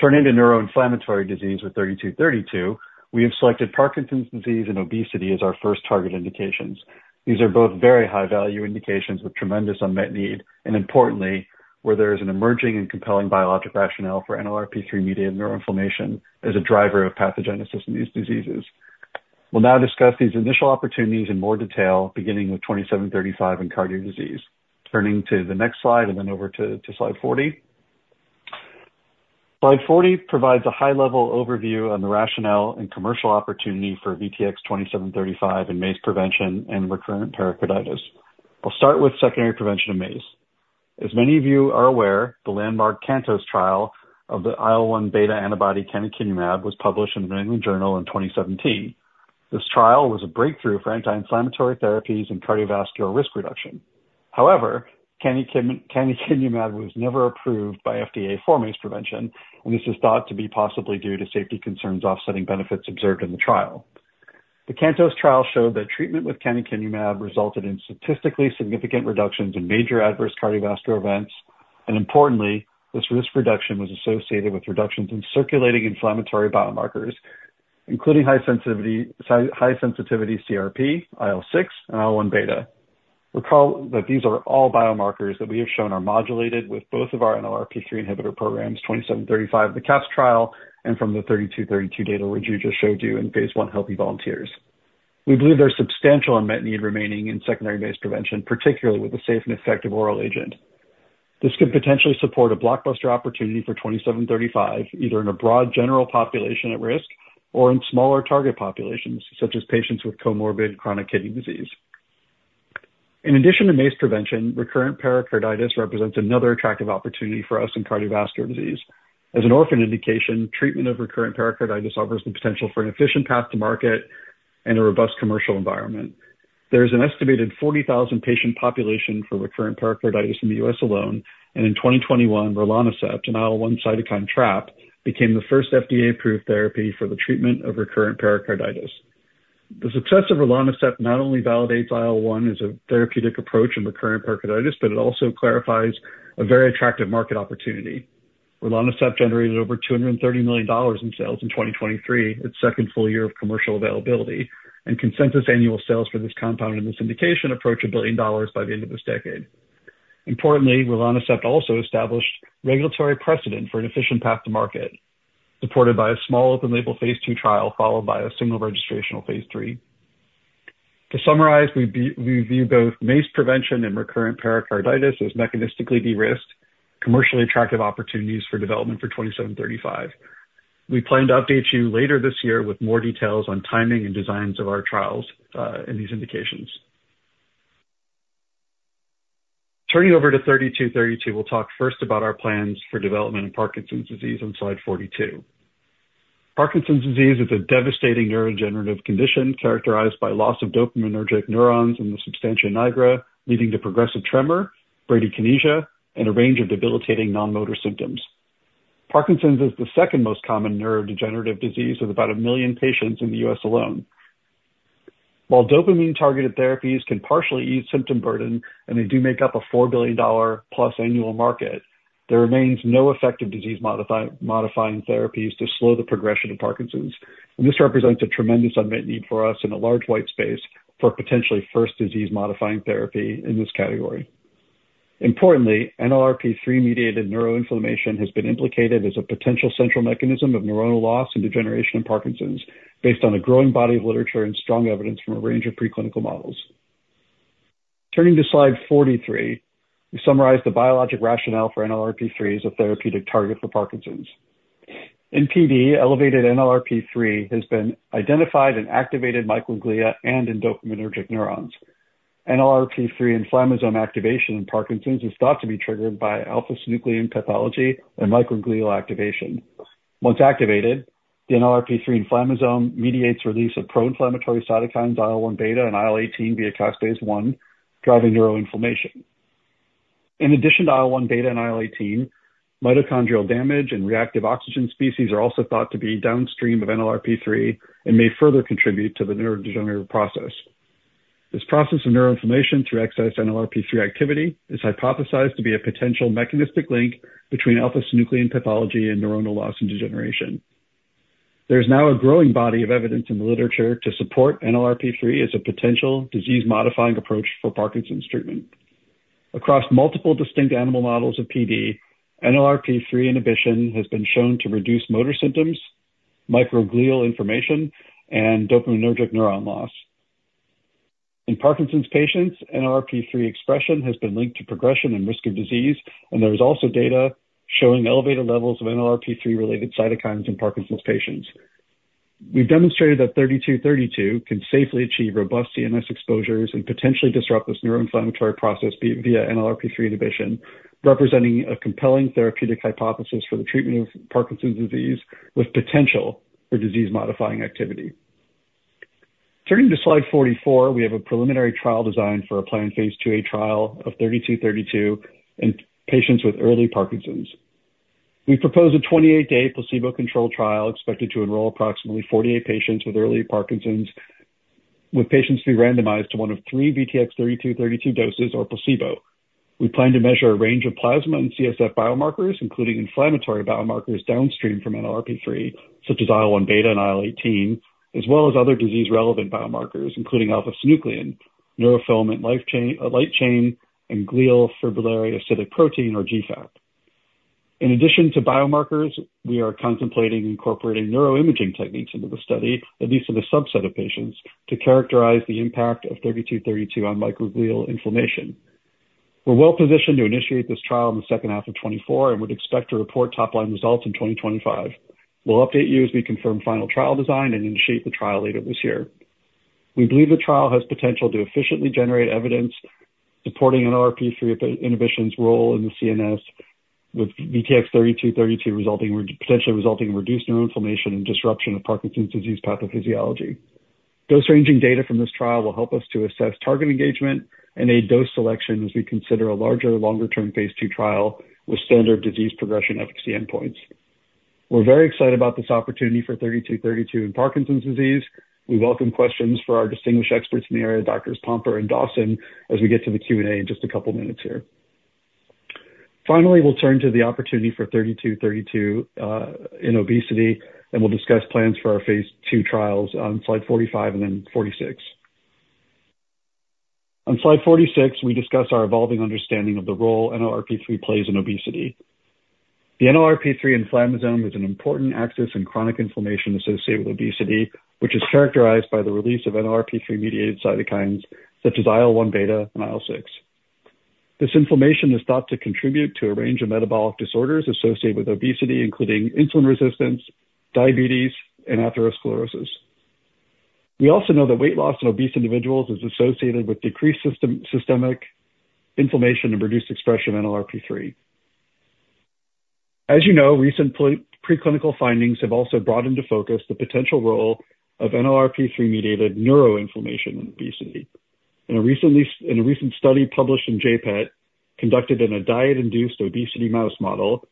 Turning to neuroinflammatory disease with 3232, we have selected Parkinson's disease and obesity as our first target indications. These are both very high-value indications with tremendous unmet need and, importantly, where there is an emerging and compelling biologic rationale for NLRP3-mediated neuroinflammation as a driver of pathogenesis in these diseases. We'll now discuss these initial opportunities in more detail, beginning with 2735 and cardiac disease. Turning to the next slide and then over to slide 40. Slide 40 provides a high-level overview on the rationale and commercial opportunity for VTX2735 and MACE prevention and recurrent pericarditis. We'll start with secondary prevention of MACE. As many of you are aware, the landmark CANTOS trial of the IL-1 beta antibody canakinumab was published in the New England Journal in 2017. This trial was a breakthrough for anti-inflammatory therapies and cardiovascular risk reduction. However, canakinumab was never approved by FDA for MACE prevention, and this is thought to be possibly due to safety concerns offsetting benefits observed in the trial. The CANTOS trial showed that treatment with canakinumab resulted in statistically significant reductions in major adverse cardiovascular events, and, importantly, this risk reduction was associated with reductions in circulating inflammatory biomarkers, including high-sensitivity CRP, IL-6, and IL-1 beta. Recall that these are all biomarkers that we have shown are modulated with both of our NLRP3 inhibitor programs, 2735 of the CAPS trial and from the 3232 data Raju just showed you in phase I healthy volunteers. We believe there's substantial unmet need remaining in secondary MACE prevention, particularly with the safe and effective oral agent. This could potentially support a blockbuster opportunity for 2735, either in a broad general population at risk or in smaller target populations such as patients with comorbid chronic kidney disease. In addition to MACE prevention, recurrent pericarditis represents another attractive opportunity for us in cardiovascular disease. As an orphaned indication, treatment of recurrent pericarditis offers the potential for an efficient path to market and a robust commercial environment. There is an estimated 40,000-patient population for recurrent pericarditis in the U.S. alone, and in 2021, rilonacept, an IL-1 cytokine trap, became the first FDA-approved therapy for the treatment of recurrent pericarditis. The success of rilonacept not only validates IL-1 as a therapeutic approach in recurrent pericarditis but it also clarifies a very attractive market opportunity. rilonacept generated over $230 million in sales in 2023, its second full year of commercial availability, and consensus annual sales for this compound and this indication approach $1 billion by the end of this decade. Importantly, rilonacept also established regulatory precedent for an efficient path to market, supported by a small open-label phase II trial followed by a single registration of phase III. To summarize, we view both MACE prevention and recurrent pericarditis as mechanistically de-risked, commercially attractive opportunities for development for 2735. We plan to update you later this year with more details on timing and designs of our trials and these indications. Turning over to 3232, we'll talk first about our plans for development of Parkinson's disease on slide 42. Parkinson's disease is a devastating neurodegenerative condition characterized by loss of dopaminergic neurons in the substantia nigra, leading to progressive tremor, bradykinesia, and a range of debilitating non-motor symptoms. Parkinson's is the second most common neurodegenerative disease with about 1 million patients in the U.S. alone. While dopamine-targeted therapies can partially ease symptom burden and they do make up a $4 billion+ annual market, there remains no effective disease-modifying therapies to slow the progression of Parkinson's, and this represents a tremendous unmet need for us in a large white space for potentially first disease-modifying therapy in this category. Importantly, NLRP3-mediated neuroinflammation has been implicated as a potential central mechanism of neuronal loss and degeneration in Parkinson's based on a growing body of literature and strong evidence from a range of preclinical models. Turning to slide 43, we summarize the biologic rationale for NLRP3 as a therapeutic target for Parkinson's. In PD, elevated NLRP3 has been identified in activated microglia and in dopaminergic neurons. NLRP3 inflammasome activation in Parkinson's is thought to be triggered by alpha-synuclein pathology and microglial activation. Once activated, the NLRP3 inflammasome mediates release of pro-inflammatory cytokines IL-1 beta and IL-18 via caspase-1, driving neuroinflammation. In addition to IL-1 beta and IL-18, mitochondrial damage and reactive oxygen species are also thought to be downstream of NLRP3 and may further contribute to the neurodegenerative process. This process of neuroinflammation through excess NLRP3 activity is hypothesized to be a potential mechanistic link between alpha-synuclein pathology and neuronal loss and degeneration. There is now a growing body of evidence in the literature to support NLRP3 as a potential disease-modifying approach for Parkinson's treatment. Across multiple distinct animal models of PD, NLRP3 inhibition has been shown to reduce motor symptoms, microglial inflammation, and dopaminergic neuron loss. In Parkinson's patients, NLRP3 expression has been linked to progression and risk of disease, and there is also data showing elevated levels of NLRP3-related cytokines in Parkinson's patients. We've demonstrated that VTX3232 can safely achieve robust CNS exposures and potentially disrupt this neuroinflammatory process via NLRP3 inhibition, representing a compelling therapeutic hypothesis for the treatment of Parkinson's disease with potential for disease-modifying activity. Turning to slide 44, we have a preliminary trial designed for phase IIA trial of VTX3232 in patients with early Parkinson's. We propose a 28-day placebo-controlled trial expected to enroll approximately 48 patients with early Parkinson's, with patients to be randomized to one of three VTX3232 doses or placebo. We plan to measure a range of plasma and CSF biomarkers, including inflammatory biomarkers downstream from NLRP3 such as IL-1 beta and IL-18, as well as other disease-relevant biomarkers including alpha-synuclein, neurofilament light chain, and glial fibrillary acidic protein or GFAP. In addition to biomarkers, we are contemplating incorporating neuroimaging techniques into the study, at least in a subset of patients, to characterize the impact of 3232 on microglial inflammation. We're well positioned to initiate this trial in the second half of 2024 and would expect to report top-line results in 2025. We'll update you as we confirm final trial design and initiate the trial later this year. We believe the trial has potential to efficiently generate evidence supporting NLRP3 inhibition's role in the CNS, with VTX3232 potentially resulting in reduced neuroinflammation and disruption of Parkinson's disease pathophysiology. Dose-ranging data from this trial will help us to assess target engagement and aid dose selection as we consider a larger, longer-term phase II trial with standard disease progression efficacy endpoints. We're very excited about this opportunity for 3232 in Parkinson's disease. We welcome questions for our distinguished experts in the area, Doctors Pomper and Dawson, as we get to the Q&A in just a couple of minutes here. Finally, we'll turn to the opportunity for 3232 in obesity, and we'll discuss plans for our phase II trials on slide 45 and then 46. On slide 46, we discuss our evolving understanding of the role NLRP3 plays in obesity. The NLRP3 inflammasome is an important axis in chronic inflammation associated with obesity, which is characterized by the release of NLRP3-mediated cytokines such as IL-1 beta and IL-6. This inflammation is thought to contribute to a range of metabolic disorders associated with obesity, including insulin resistance, diabetes, and atherosclerosis. We also know that weight loss in obese individuals is associated with decreased systemic inflammation and reduced expression of NLRP3. As you know, recent preclinical findings have also brought into focus the potential role of NLRP3-mediated neuroinflammation in obesity. In a recent study published in JPET, conducted in a diet-induced obesity mouse model,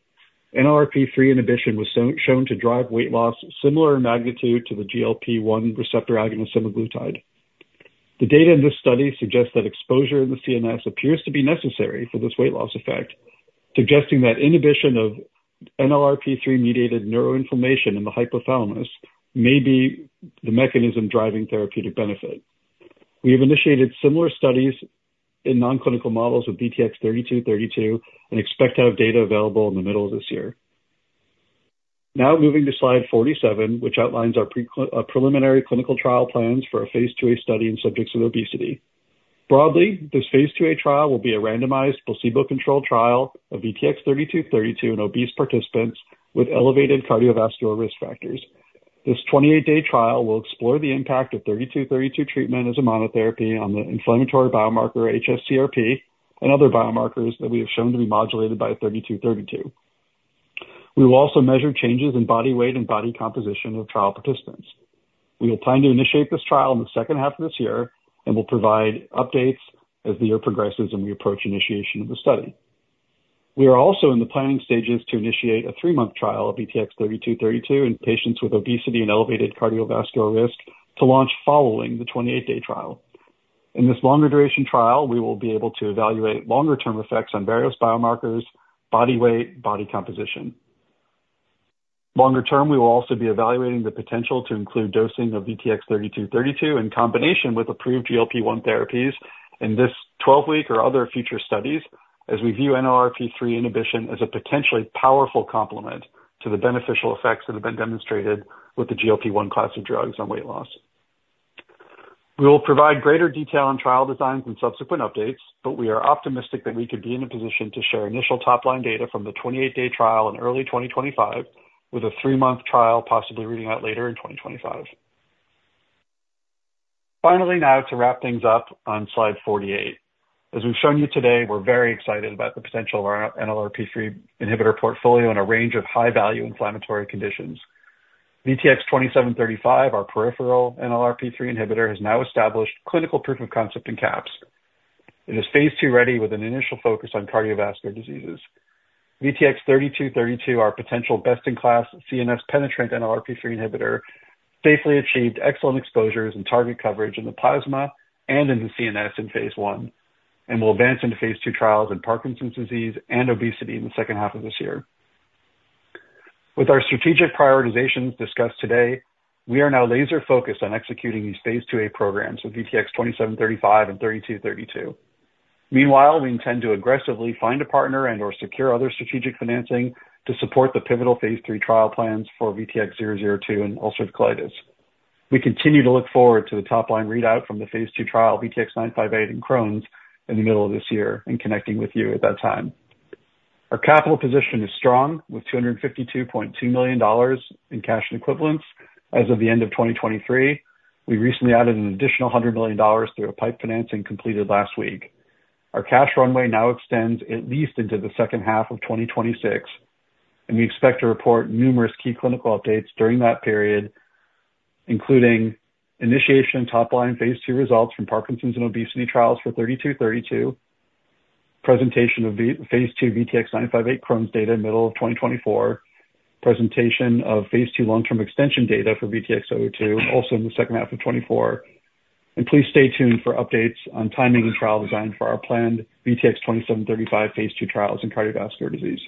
NLRP3 inhibition was shown to drive weight loss similar in magnitude to the GLP-1 receptor agonist semaglutide. The data in this study suggests that exposure in the CNS appears to be necessary for this weight loss effect, suggesting that inhibition of NLRP3-mediated neuroinflammation in the hypothalamus may be the mechanism driving therapeutic benefit. We have initiated similar studies in non-clinical models with VTX3232 and expect to have data available in the middle of this year. Now moving to slide 47, which outlines our preliminary clinical trial plans for phase IIA study in subjects with obesity. Broadly, phase IIA trial will be a randomized placebo-controlled trial of VTX3232 in obese participants with elevated cardiovascular risk factors. This 28-day trial will explore the impact of 3232 treatment as a monotherapy on the inflammatory biomarker hsCRP and other biomarkers that we have shown to be modulated by 3232. We will also measure changes in body weight and body composition of trial participants. We will plan to initiate this trial in the second half of this year and will provide updates as the year progresses and we approach initiation of the study. We are also in the planning stages to initiate a three-month trial of VTX3232 in patients with obesity and elevated cardiovascular risk to launch following the 28-day trial. In this longer-duration trial, we will be able to evaluate longer-term effects on various biomarkers, body weight, and body composition. Longer term, we will also be evaluating the potential to include dosing of VTX3232 in combination with approved GLP-1 therapies in this 12-week or other future studies as we view NLRP3 inhibition as a potentially powerful complement to the beneficial effects that have been demonstrated with the GLP-1 class of drugs on weight loss. We will provide greater detail on trial designs and subsequent updates, but we are optimistic that we could be in a position to share initial top-line data from the 28-day trial in early 2025 with a three-month trial possibly reading out later in 2025. Finally, now to wrap things up on slide 48. As we've shown you today, we're very excited about the potential of our NLRP3 inhibitor portfolio in a range of high-value inflammatory conditions. VTX2735, our peripheral NLRP3 inhibitor, has now established clinical proof of concept in CAPS. It is phase II ready with an initial focus on cardiovascular diseases. VTX3232, our potential best-in-class CNS-penetrant NLRP3 inhibitor, safely achieved excellent exposures and target coverage in the plasma and in the CNS in phase I, and will advance into phase II trials in Parkinson's disease and obesity in the second half of this year. With our strategic prioritizations discussed today, we are now laser-focused on executing phase IIA programs with VTX2735 and 3232. Meanwhile, we intend to aggressively find a partner and/or secure other strategic financing to support the pivotal phase III trial plans for VTX002 and ulcerative colitis. We continue to look forward to the top-line readout from the phase II trial VTX958 and Crohn's in the middle of this year and connecting with you at that time. Our capital position is strong with $252.2 million in cash and equivalents as of the end of 2023. We recently added an additional $100 million through a PIPE financing completed last week. Our cash runway now extends at least into the second half of 2026, and we expect to report numerous key clinical updates during that period, including initiation of top-line phase II results from Parkinson's and obesity trials for 3232, presentation of phase II VTX958 Crohn's data in the middle of 2024, presentation of phase II long-term extension data for VTX002 also in the second half of 2024. And please stay tuned for updates on timing and trial design for our planned VTX2735 phase II trials in cardiovascular disease.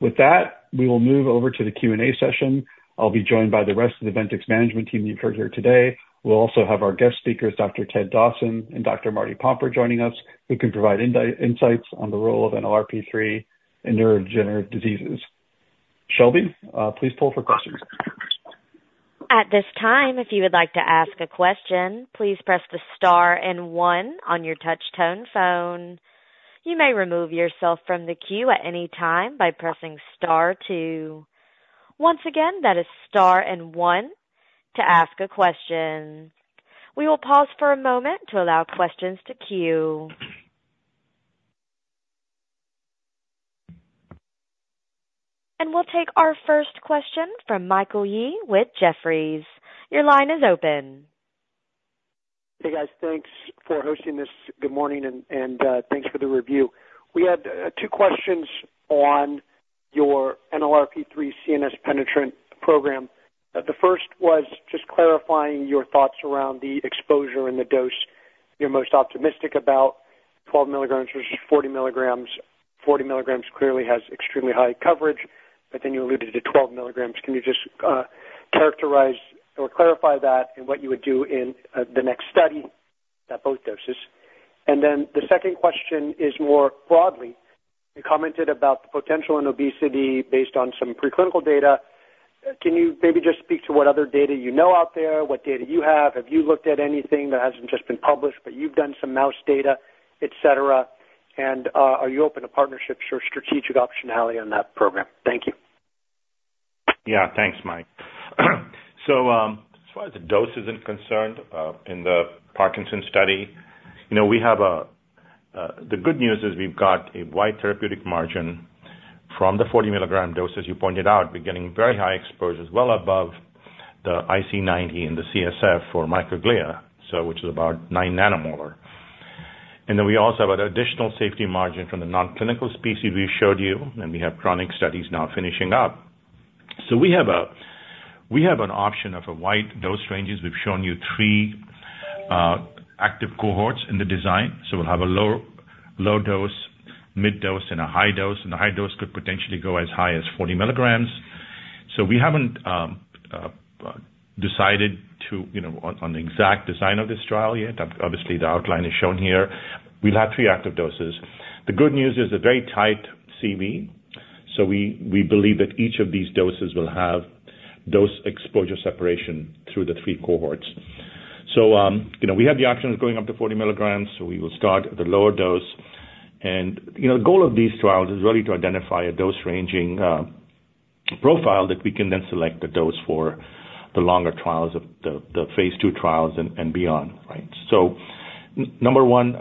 With that, we will move over to the Q&A session. I'll be joined by the rest of the Ventyx management team that you've heard here today. We'll also have our guest speakers, Dr. Ted Dawson and Dr. Martin Pomper, joining us, who can provide insights on the role of NLRP3 in neurodegenerative diseases. Shelby, please poll for questions. At this time, if you would like to ask a question, please press the star and one on your touch-tone phone. You may remove yourself from the queue at any time by pressing star two. Once again, that is star and one to ask a question. We will pause for a moment to allow questions to queue. We'll take our first question from Michael Yee with Jefferies. Your line is open. Hey guys, thanks for hosting this. Good morning, and thanks for the review. We had two questions on your NLRP3 CNS-penetrant program. The first was just clarifying your thoughts around the exposure and the dose you're most optimistic about. 12 mg versus 40 mg. 40 mg clearly has extremely high coverage, but then you alluded to 12 mg. Can you just characterize or clarify that and what you would do in the next study at both doses? And then the second question is more broadly. You commented about the potential in obesity based on some preclinical data. Can you maybe just speak to what other data you know out there, what data you have? Have you looked at anything that hasn't just been published, but you've done some mouse data, et cetera? And are you open to partnerships or strategic optionality on that program? Thank you. Yeah, thanks, Mike. So as far as the doses are concerned in the Parkinson's study, we have the good news is we've got a wide therapeutic margin from the 40 mg dose as you pointed out. We're getting very high exposures well above the IC90 in the CSF for microglia, which is about 9 nanomolar. And then we also have an additional safety margin from the non-clinical species we showed you, and we have chronic studies now finishing up. So we have an option of a wide dose range. We've shown you three active cohorts in the design. So we'll have a low dose, mid dose, and a high dose. And the high dose could potentially go as high as 40 mg. So we haven't decided on the exact design of this trial yet. Obviously, the outline is shown here. We'll have three active doses. The good news is a very tight CV, so we believe that each of these doses will have dose exposure separation through the three cohorts. So we have the option of going up to 40 mg, so we will start at the lower dose. The goal of these trials is really to identify a dose-ranging profile that we can then select the dose for the longer trials of the phase II trials and beyond, right? So number one,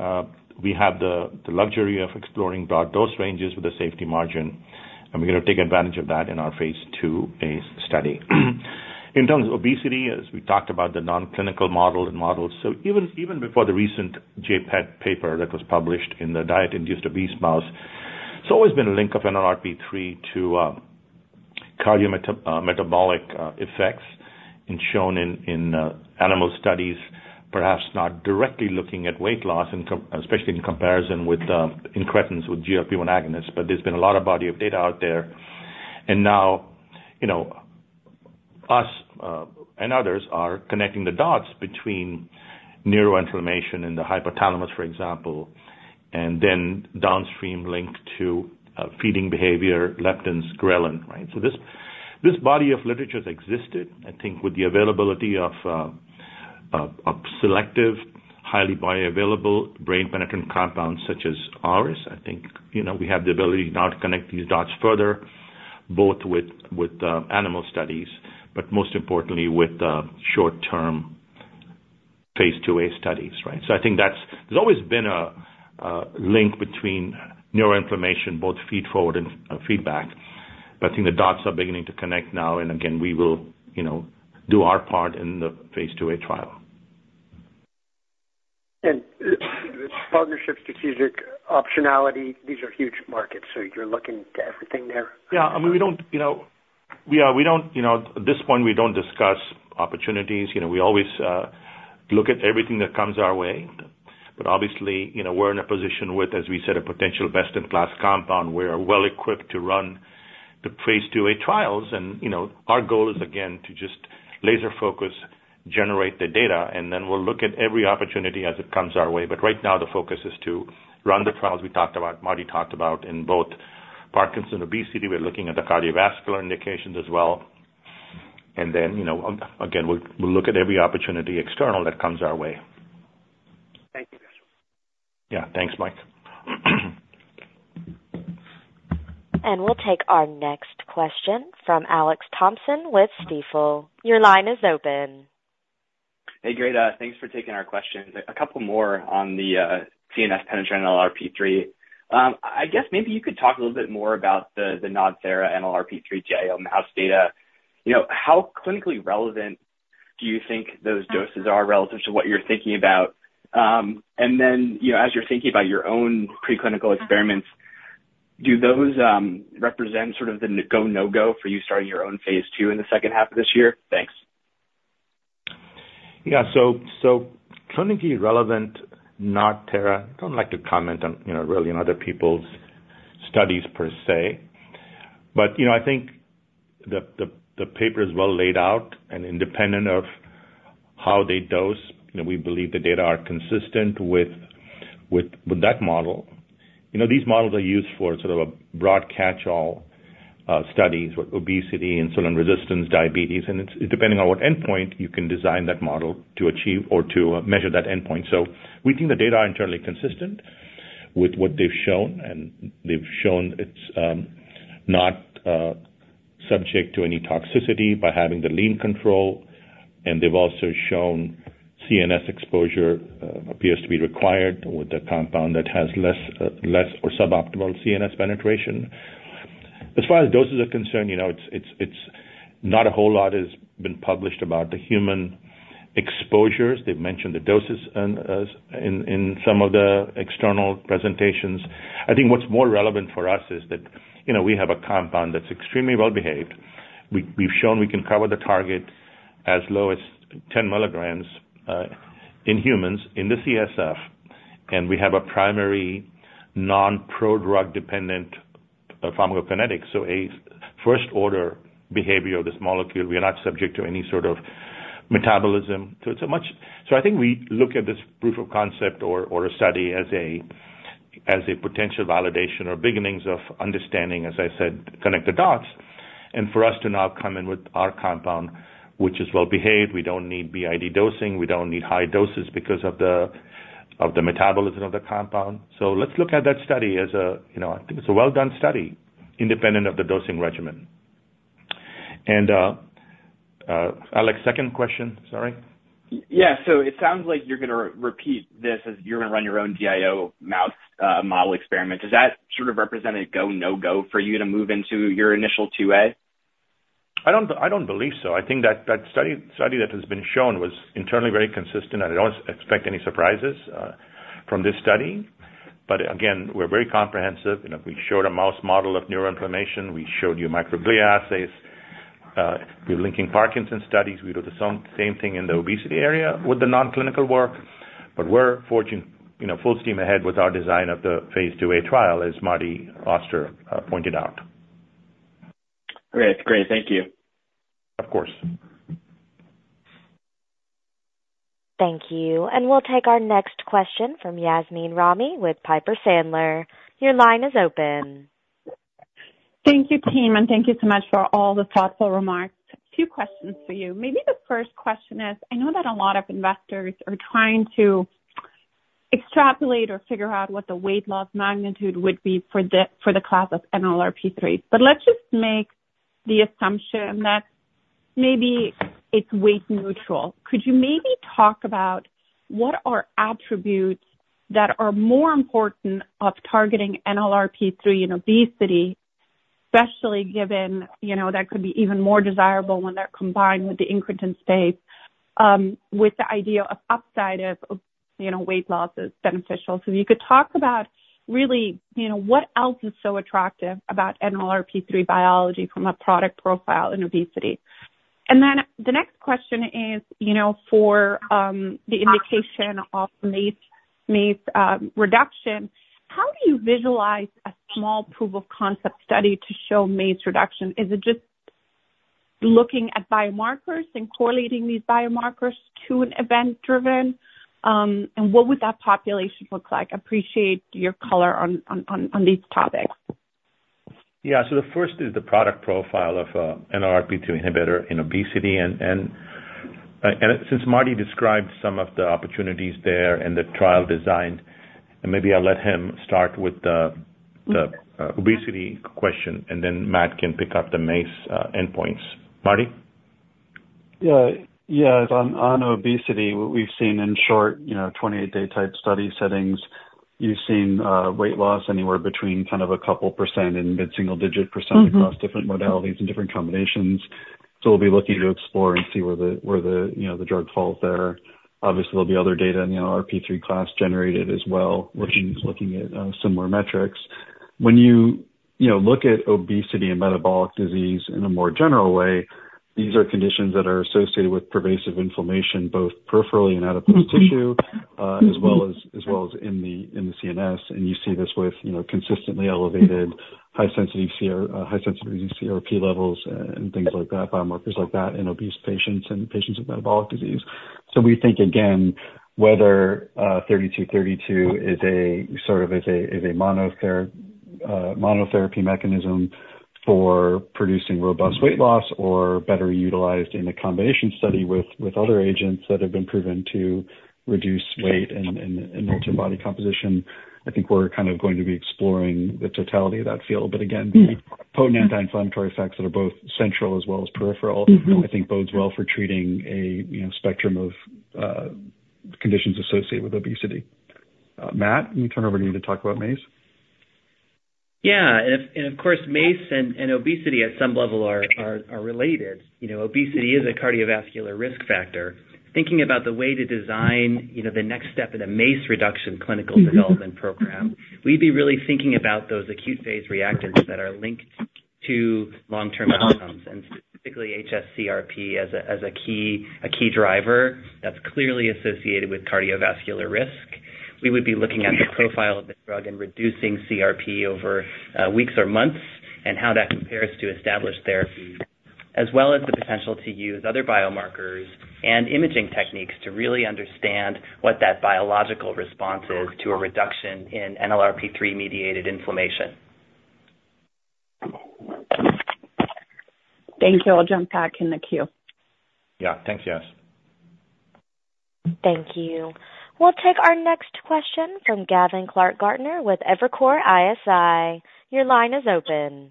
we have the luxury of exploring broad dose ranges with a safety margin, and we're going to take advantage of that in phase IIA study. In terms of obesity, as we talked about the non-clinical model and models, so even before the recent JPET paper that was published in the Diet-Induced Obese Mouse, it's always been a link of NLRP3 to cardiometabolic effects and shown in animal studies, perhaps not directly looking at weight loss, especially in comparison with incretins with GLP-1 agonists, but there's been a lot of body of data out there. Now us and others are connecting the dots between neuroinflammation in the hypothalamus, for example, and then downstream link to feeding behavior, leptins, ghrelin, right? So this body of literature has existed, I think, with the availability of selective, highly bioavailable brain-penetrant compounds such as ours. I think we have the ability now to connect these dots further, both with animal studies, but most importantly with phase IIA studies, right? So I think there's always been a link between neuroinflammation, both feedforward and feedback, but I think the dots are beginning to connect now. And again, we will do our part in phase IIA trial. And partnership, strategic optionality, these are huge markets, so you're looking to everything there? Yeah, I mean, we don't at this point, we don't discuss opportunities. We always look at everything that comes our way. But obviously, we're in a position with, as we said, a potential best-in-class compound. We're well-equipped to run phase IIA trials. And our goal is, again, to just laser-focus, generate the data, and then we'll look at every opportunity as it comes our way. But right now, the focus is to run the trials we talked about, Marty talked about, in both Parkinson's and obesity. We're looking at the cardiovascular indications as well. And then again, we'll look at every opportunity external that comes our way. Thank you, guys. Yeah, thanks, Mike. And we'll take our next question from Alex Thompson with Stifel. Your line is open. Hey, great. Thanks for taking our questions. A couple more on the CNS-penetrant NLRP3. I guess maybe you could talk a little bit more about the NodThera NLRP3-DIO mouse data. How clinically relevant do you think those doses are relative to what you're thinking about? And then as you're thinking about your own preclinical experiments, do those represent sort of the go-no-go for you starting your own phase II in the second half of this year? Thanks. Yeah, so clinically relevant, NodThera, I don't like to comment on really on other people's studies per se. But I think the paper is well laid out, and independent of how they dose, we believe the data are consistent with that model. These models are used for sort of a broad catch-all study with obesity, insulin resistance, diabetes. And depending on what endpoint, you can design that model to achieve or to measure that endpoint. So we think the data are internally consistent with what they've shown, and they've shown it's not subject to any toxicity by having the lean control. And they've also shown CNS exposure appears to be required with a compound that has less or suboptimal CNS penetration. As far as doses are concerned, not a whole lot has been published about the human exposures. They've mentioned the doses in some of the external presentations. I think what's more relevant for us is that we have a compound that's extremely well-behaved. We've shown we can cover the target as low as 10 mg in humans in the CSF, and we have a primary non-pro-drug-dependent pharmacokinetic. So a first-order behavior of this molecule, we are not subject to any sort of metabolism. So I think we look at this proof of concept or a study as a potential validation or beginnings of understanding, as I said, connect the dots, and for us to now come in with our compound, which is well-behaved. We don't need BID dosing. We don't need high doses because of the metabolism of the compound. So let's look at that study as a—I think it's a well-done study—independent of the dosing regimen. And Alex, second question. Sorry. Yeah, so it sounds like you're going to repeat this as you're going to run your own DIO mouse model experiment. Does that sort of represent a go-no-go for you to move into your initial phase IIA? I don't believe so. I think that study that has been shown was internally very consistent, and I don't expect any surprises from this study. But again, we're very comprehensive. We showed a mouse model of neuroinflammation. We showed you microglia assays. We're linking Parkinson's studies. We do the same thing in the obesity area with the non-clinical work. But we're full steam ahead with our design of phase IIA trial, as Marty Auster pointed out. Great. Great. Thank you. Of course. Thank you. And we'll take our next question from Yasmeen Rahimi with Piper Sandler. Your line is open. Thank you, team, and thank you so much for all the thoughtful remarks. A few questions for you. Maybe the first question is, I know that a lot of investors are trying to extrapolate or figure out what the weight loss magnitude would be for the class of NLRP3, but let's just make the assumption that maybe it's weight neutral. Could you maybe talk about what are attributes that are more important of targeting NLRP3 obesity, especially given that could be even more desirable when they're combined with the incretin space, with the idea of upside of weight loss as beneficial? So if you could talk about really what else is so attractive about NLRP3 biology from a product profile in obesity. And then the next question is, for the indication of MACE reduction, how do you visualize a small proof of concept study to show MACE reduction? Is it just looking at biomarkers and correlating these biomarkers to an event-driven? And what would that population look like? I appreciate your color on these topics. Yeah, so the first is the product profile of NLRP3 inhibitor in obesity. And since Marty described some of the opportunities there and the trial design, maybe I'll let him start with the obesity question, and then Matt can pick up the MACE endpoints. Marty? Yeah, on obesity, what we've seen in short 28-day type study settings, you've seen weight loss anywhere between kind of a couple % and mid-single-digit % across different modalities and different combinations. So we'll be looking to explore and see where the drug falls there. Obviously, there'll be other data in the NLRP3 class generated as well, looking at similar metrics. When you look at obesity and metabolic disease in a more general way, these are conditions that are associated with pervasive inflammation, both peripherally and in adipose tissue, as well as in the CNS. And you see this with consistently elevated high-sensitivity CRP levels and things like that, biomarkers like that, in obese patients and patients with metabolic disease. So we think, again, whether VTX3232 sort of is a monotherapy mechanism for producing robust weight loss or better utilized in a combination study with other agents that have been proven to reduce weight and alter body composition, I think we're kind of going to be exploring the totality of that field. But again, the potent anti-inflammatory effects that are both central as well as peripheral I think bode well for treating a spectrum of conditions associated with obesity. Matt, let me turn over to you to talk about MACE. Yeah, and of course, MACE and obesity at some level are related. Obesity is a cardiovascular risk factor. Thinking about the way to design the next step in a MACE reduction clinical development program, we'd be really thinking about those acute phase reactants that are linked to long-term outcomes, and specifically hsCRP as a key driver that's clearly associated with cardiovascular risk. We would be looking at the profile of the drug and reducing CRP over weeks or months and how that compares to established therapy, as well as the potential to use other biomarkers and imaging techniques to really understand what that biological response is to a reduction in NLRP3-mediated inflammation. Thank you. I'll jump back in the queue. Yeah, thanks, Yas. Thank you. We'll take our next question from Gavin Clark-Gartner with Evercore ISI. Your line is open.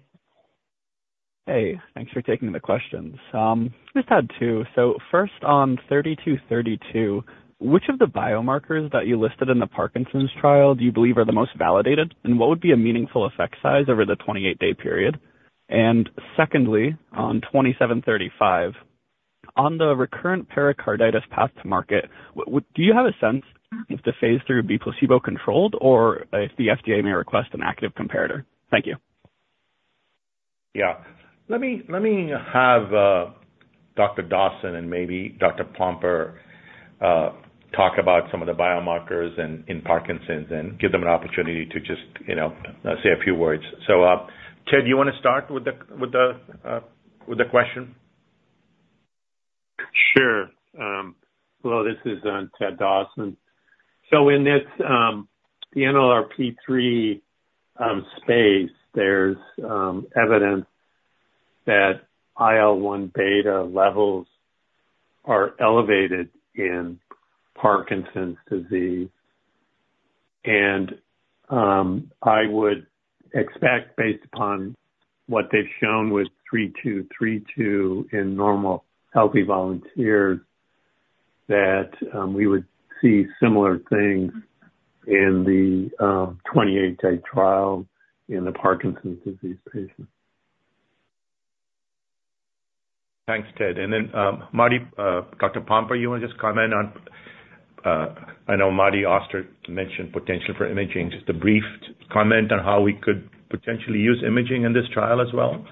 Hey, thanks for taking the questions. We've had two. So first, on 3232, which of the biomarkers that you listed in the Parkinson's trial do you believe are the most validated, and what would be a meaningful effect size over the 28-day period? And secondly, on 2735, on the recurrent pericarditis path to market, do you have a sense if the phase III would be placebo-controlled or if the FDA may request an active comparator? Thank you. Yeah, let me have Dr. Dawson and maybe Dr. Pomper talk about some of the biomarkers in Parkinson's and give them an opportunity to just say a few words. So Ted, do you want to start with the question? Sure. Hello, this is Ted Dawson. So in the NLRP3 space, there's evidence that IL-1 beta levels are elevated in Parkinson's disease. And I would expect, based upon what they've shown with 3232 in normal healthy volunteers, that we would see similar things in the 28-day trial in the Parkinson's disease patients. Thanks, Ted. And then Martin, Dr. Pomper, you want to just comment on—I know Marty Auster mentioned potential for imaging. Just a brief comment on how we could potentially use imaging in this trial as well?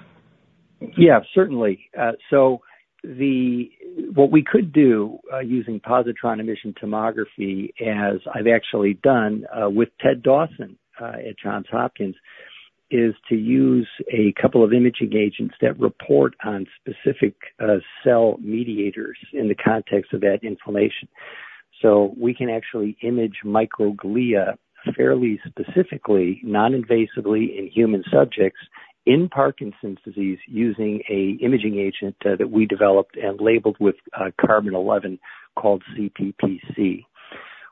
Yeah, certainly. So what we could do using positron emission tomography, as I've actually done with Ted Dawson at Johns Hopkins, is to use a couple of imaging agents that report on specific cell mediators in the context of that inflammation. So we can actually image microglia fairly specifically, non-invasively, in human subjects in Parkinson's disease using an imaging agent that we developed and labeled with carbon-11 called CPPC.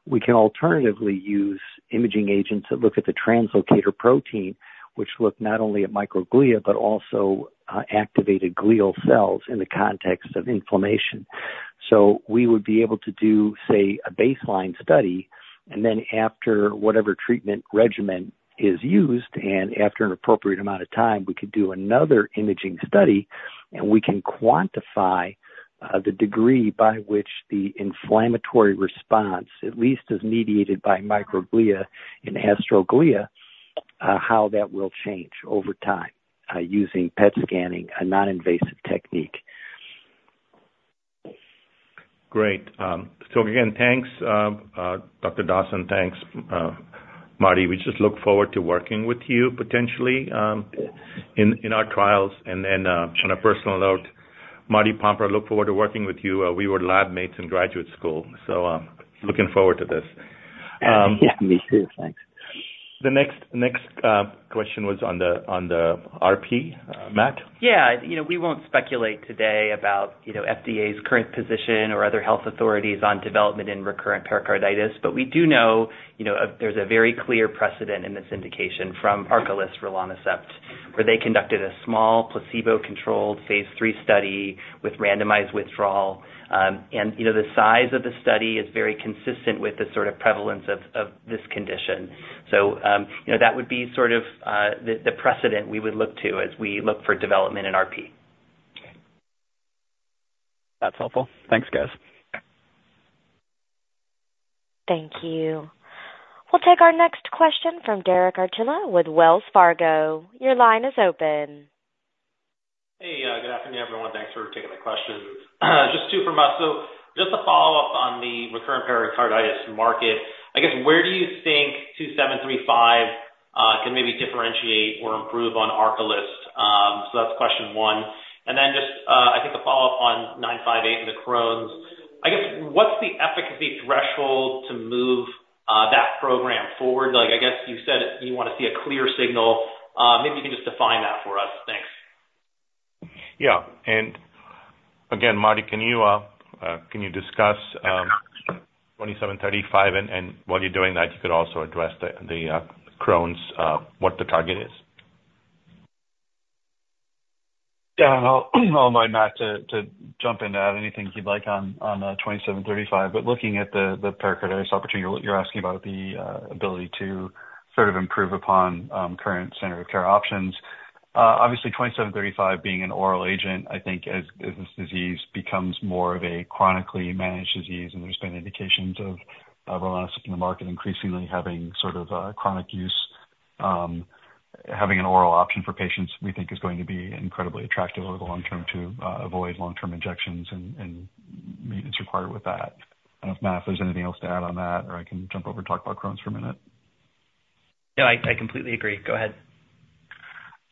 We can alternatively use imaging agents that look at the translocator protein, which look not only at microglia but also activated glial cells in the context of inflammation. So we would be able to do, say, a baseline study, and then after whatever treatment regimen is used and after an appropriate amount of time, we could do another imaging study, and we can quantify the degree by which the inflammatory response, at least as mediated by microglia and astroglia, how that will change over time using PET scanning, a non-invasive technique. Great. So again, thanks, Dr. Dawson. Thanks, Martin. We just look forward to working with you potentially in our trials. And then on a personal note, Martin Pomper, I look forward to working with you. We were lab mates in graduate school, so looking forward to this. Yeah, me too. Thanks. The next question was on the RP, Matt. Yeah, we won't speculate today about FDA's current position or other health authorities on development in recurrent pericarditis, but we do know there's a very clear precedent in this indication from Arcalyst rilonacept, where they conducted a small placebo-controlled phase III study with randomized withdrawal. The size of the study is very consistent with the sort of prevalence of this condition. That would be sort of the precedent we would look to as we look for development in RP. That's helpful. Thanks, guys. Thank you. We'll take our next question from Derek Archila with Wells Fargo. Your line is open. Hey, good afternoon, everyone. Thanks for taking the questions. Just two from us. So just a follow-up on the recurrent pericarditis market. I guess, where do you think 2735 can maybe differentiate or improve on Arcalyst? So that's question one. And then just, I think, a follow-up on 958 and the Crohn's. I guess, what's the efficacy threshold to move that program forward? I guess you said you want to see a clear signal. Maybe you can just define that for us. Thanks. Yeah. And again, Marty, can you discuss 2735? And while you're doing that, you could also address the Crohn's, what the target is? Yeah, I'll invite Matt to jump in to add anything he'd like on 2735. But looking at the pericarditis opportunity you're asking about, the ability to sort of improve upon current standard of care options, obviously, VTX2735 being an oral agent, I think, as this disease becomes more of a chronically managed disease and there's been indications of rilonacept in the market increasingly having sort of chronic use, having an oral option for patients, we think, is going to be incredibly attractive over the long term to avoid long-term injections and maintenance required with that. I don't know if Matt, if there's anything else to add on that, or I can jump over and talk about Crohn's for a minute. Yeah, I completely agree. Go ahead.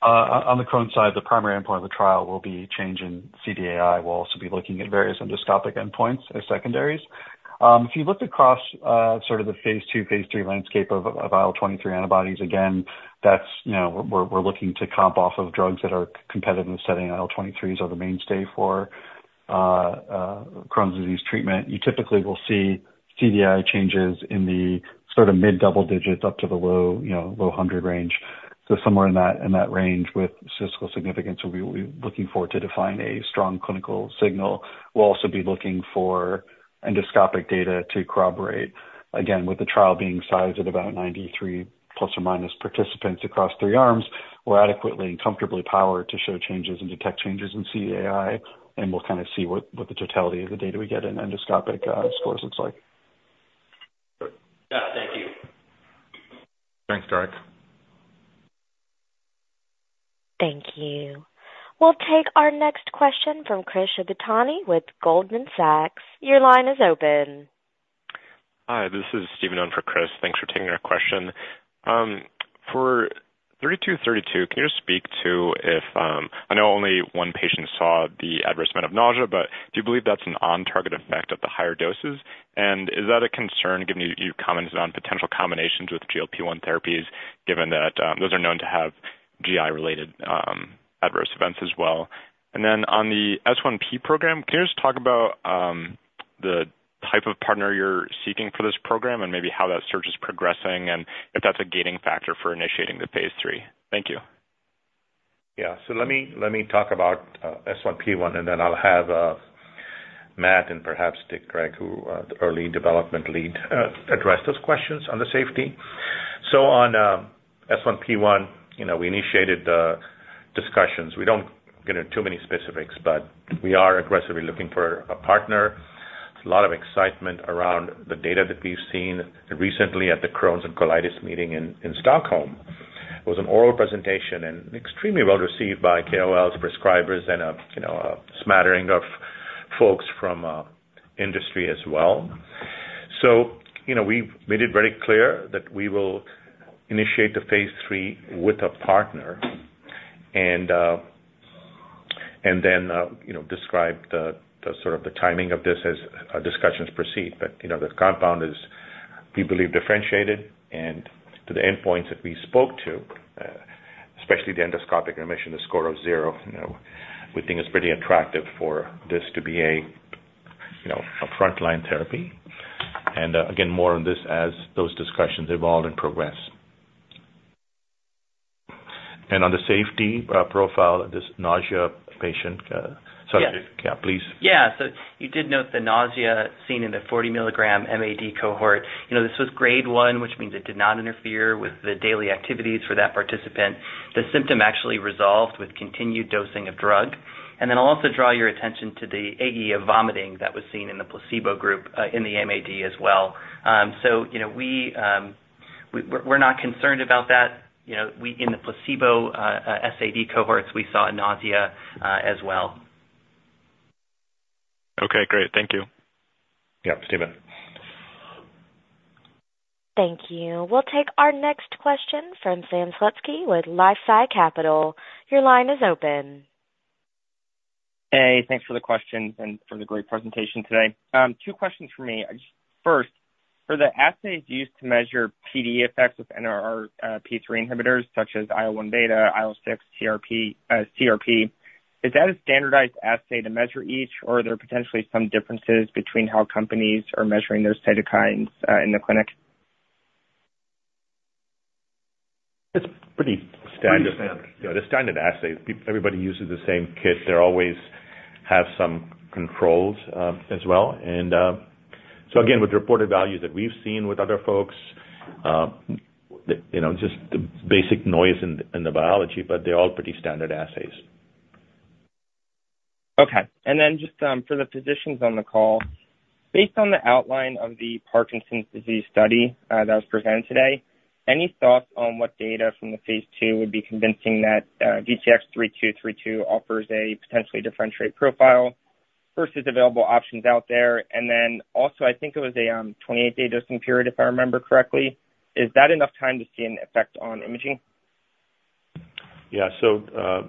On the Crohn's side, the primary endpoint of the trial will be change in CDAI. We'll also be looking at various endoscopic endpoints as secondaries. If you look across sort of the phase II, phase III landscape of IL-23 antibodies, again, we're looking to comp off of drugs that are competitive in the setting IL-23s are the mainstay for Crohn's disease treatment. You typically will see CDAI changes in the sort of mid-double digits up to the low 100 range. So somewhere in that range with statistical significance, we'll be looking forward to define a strong clinical signal. We'll also be looking for endoscopic data to corroborate. Again, with the trial being sized at about 93 ± participants across three arms, we're adequately and comfortably powered to show changes and detect changes in CDAI, and we'll kind of see what the totality of the data we get in endoscopic scores looks like. Yeah, thank you. Thanks, Derek. Thank you. We'll take our next question from Chris Shibutani with Goldman Sachs. Your line is open. Hi, this is Stephen on for Chris. Thanks for taking our question. For 3232, can you just speak to if I know only one patient saw the adverse event of nausea, but do you believe that's an on-target effect at the higher doses? And is that a concern, given you commented on potential combinations with GLP-1 therapies, given that those are known to have GI-related adverse events as well? And then on the S1P program, can you just talk about the type of partner you're seeking for this program and maybe how that search is progressing and if that's a gating factor for initiating the phase III? Thank you. Yeah, so let me talk about S1P1, and then I'll have Matt and perhaps Dick Gregg, who are the early development lead, address those questions on the safety. So on S1P1, we initiated the discussions. We don't get into too many specifics, but we are aggressively looking for a partner. There's a lot of excitement around the data that we've seen. Recently, at the Crohn's and Colitis meeting in Stockholm, it was an oral presentation and extremely well received by KOLs, prescribers, and a smattering of folks from industry as well. So we made it very clear that we will initiate the phase III with a partner and then describe sort of the timing of this as discussions proceed. But the compound is, we believe, differentiated. And to the endpoints that we spoke to, especially the endoscopic remission, the score of zero, you know, we think is pretty attractive for this to be a frontline therapy. And again, more on this as those discussions evolve and progress. And on the safety profile, this nausea patient sorry, yeah, please. Yeah, so you did note the nausea seen in the 40 mg MAD cohort. This was grade one, which means it did not interfere with the daily activities for that participant. The symptom actually resolved with continued dosing of drug. And then I'll also draw your attention to the AE of vomiting that was seen in the placebo group in the MAD as well. So we're not concerned about that. In the placebo SAD cohorts, we saw nausea as well. Okay, great. Thank you. Yep, Stephen. Thank you. We'll take our next question from Sam Slutsky with LifeSci Capital. Your line is open. Hey, thanks for the questions and for the great presentation today. Two questions for me. First, for the assays used to measure PD effects with NLRP3 inhibitors such as IL-1 beta, IL-6, CRP, is that a standardized assay to measure each, or are there potentially some differences between how companies are measuring those cytokines in the clinic? It's pretty standard. Yeah, they're standard assays. Everybody uses the same kit. They always have some controls as well. And so again, with reported values that we've seen with other folks, just basic noise in the biology, but they're all pretty standard assays. Okay. And then just for the physicians on the call, based on the outline of the Parkinson's disease study that was presented today, any thoughts on what data from the phase II would be convincing that VTX3232 offers a potentially differentiated profile versus available options out there? And then also, I think it was a 28-day dosing period, if I remember correctly. Is that enough time to see an effect on imaging? Yeah, so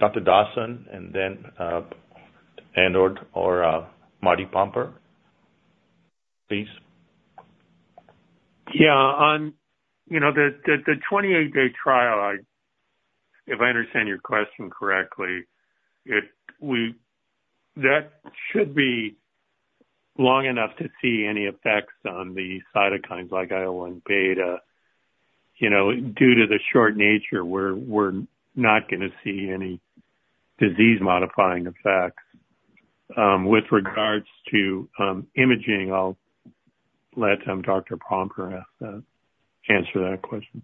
Dr. Dawson and then, or Martin Pomper, please. Yeah, on the 28-day trial, if I understand your question correctly, that should be long enough to see any effects on the cytokines like IL-1 beta. Due to the short nature, we're not going to see any disease-modifying effects. With regards to imaging, I'll let Dr. Pomper answer that question.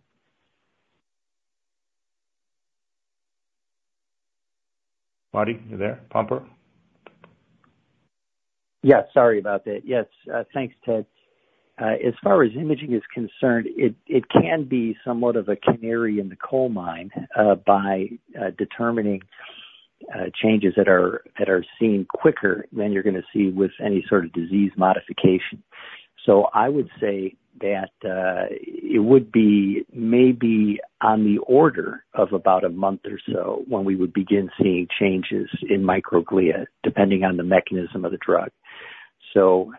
Martin, you there? Pomper? Yeah, sorry about that. Yes, thanks, Ted. As far as imaging is concerned, it can be somewhat of a canary in the coal mine by determining changes that are seen quicker than you're going to see with any sort of disease modification. So I would say that it would be maybe on the order of about a month or so when we would begin seeing changes in microglia, depending on the mechanism of the drug. So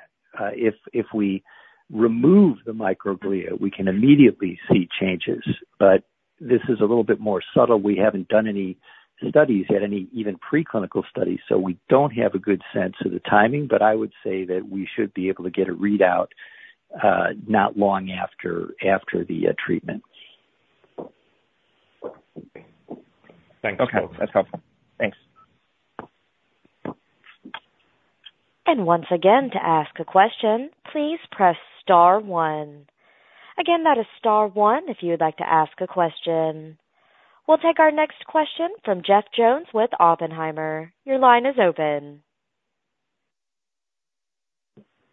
if we remove the microglia, we can immediately see changes. But this is a little bit more subtle. We haven't done any studies yet, any even preclinical studies, so we don't have a good sense of the timing. But I would say that we should be able to get a readout not long after the treatment. Thanks, folks. Okay, that's helpful. Thanks. And once again, to ask a question, please press star one. Again, that is star one if you would like to ask a question. We'll take our next question from Jeff Jones with Oppenheimer. Your line is open.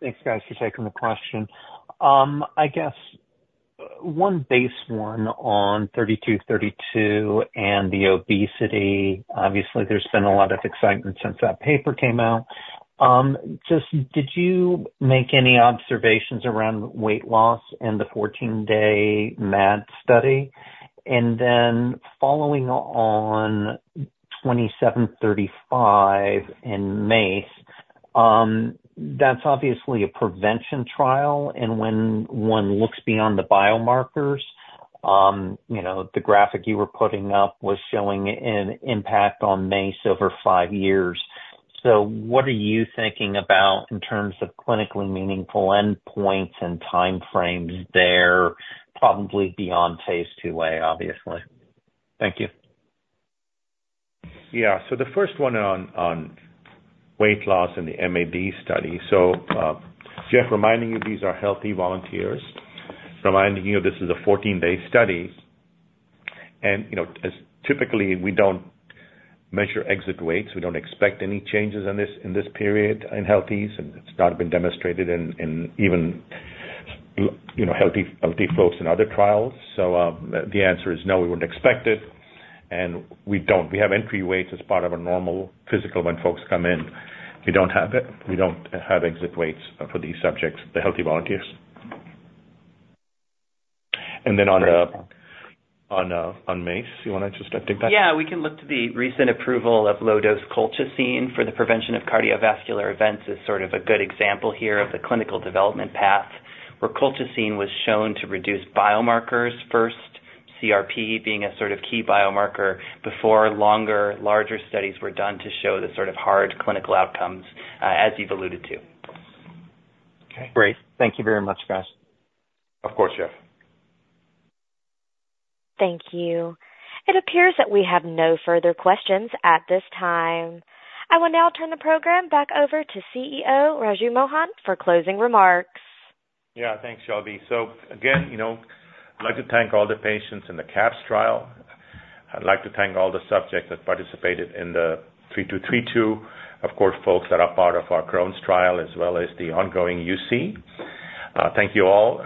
Thanks, guys, for taking the question. I guess one based on 3232 and the obesity. Obviously, there's been a lot of excitement since that paper came out. Just did you make any observations around weight loss in the 14-day MAD study? And then, following on VTX2735 in MACE, that's obviously a prevention trial. And when one looks beyond the biomarkers, the graphic you were putting up was showing an impact on MACE over five years. So what are you thinking about in terms of clinically meaningful endpoints and time frames there, probably phase IIA, obviously? Thank you. Yeah, so the first one on weight loss in the MAD study. So Jeff, reminding you these are healthy volunteers, reminding you this is a 14-day study. And typically, we don't measure exit weights. We don't expect any changes in this period in healthies, and it's not been demonstrated in even healthy folks in other trials. So the answer is no, we wouldn't expect it. And we don't. We have entry weights as part of a normal physical when folks come in. We don't have it. We don't have exit weights for these subjects, the healthy volunteers. And then on MACE, do you want to just take that? Yeah, we can look to the recent approval of low-dose colchicine for the prevention of cardiovascular events as sort of a good example here of the clinical development path where colchicine was shown to reduce biomarkers first, CRP being a sort of key biomarker before longer, larger studies were done to show the sort of hard clinical outcomes, as you've alluded to. Great. Thank you very much, guys. Of course, Jeff. Thank you. It appears that we have no further questions at this time. I will now turn the program back over to CEO Raju Mohan for closing remarks. Yeah, thanks, Shelby. So again, I'd like to thank all the patients in the CAPS trial. I'd like to thank all the subjects that participated in the 3232, of course, folks that are part of our Crohn's trial as well as the ongoing UC. Thank you all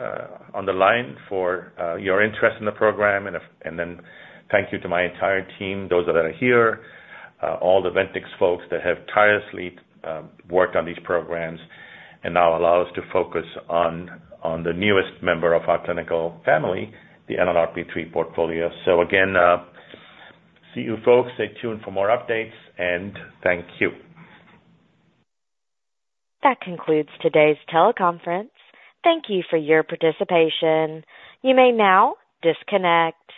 on the line for your interest in the program. Then thank you to my entire team, those that are here, all the Ventyx folks that have tirelessly worked on these programs and now allow us to focus on the newest member of our clinical family, the NLRP3 portfolio. Again, see you, folks. Stay tuned for more updates, and thank you. That concludes today's teleconference. Thank you for your participation. You may now disconnect.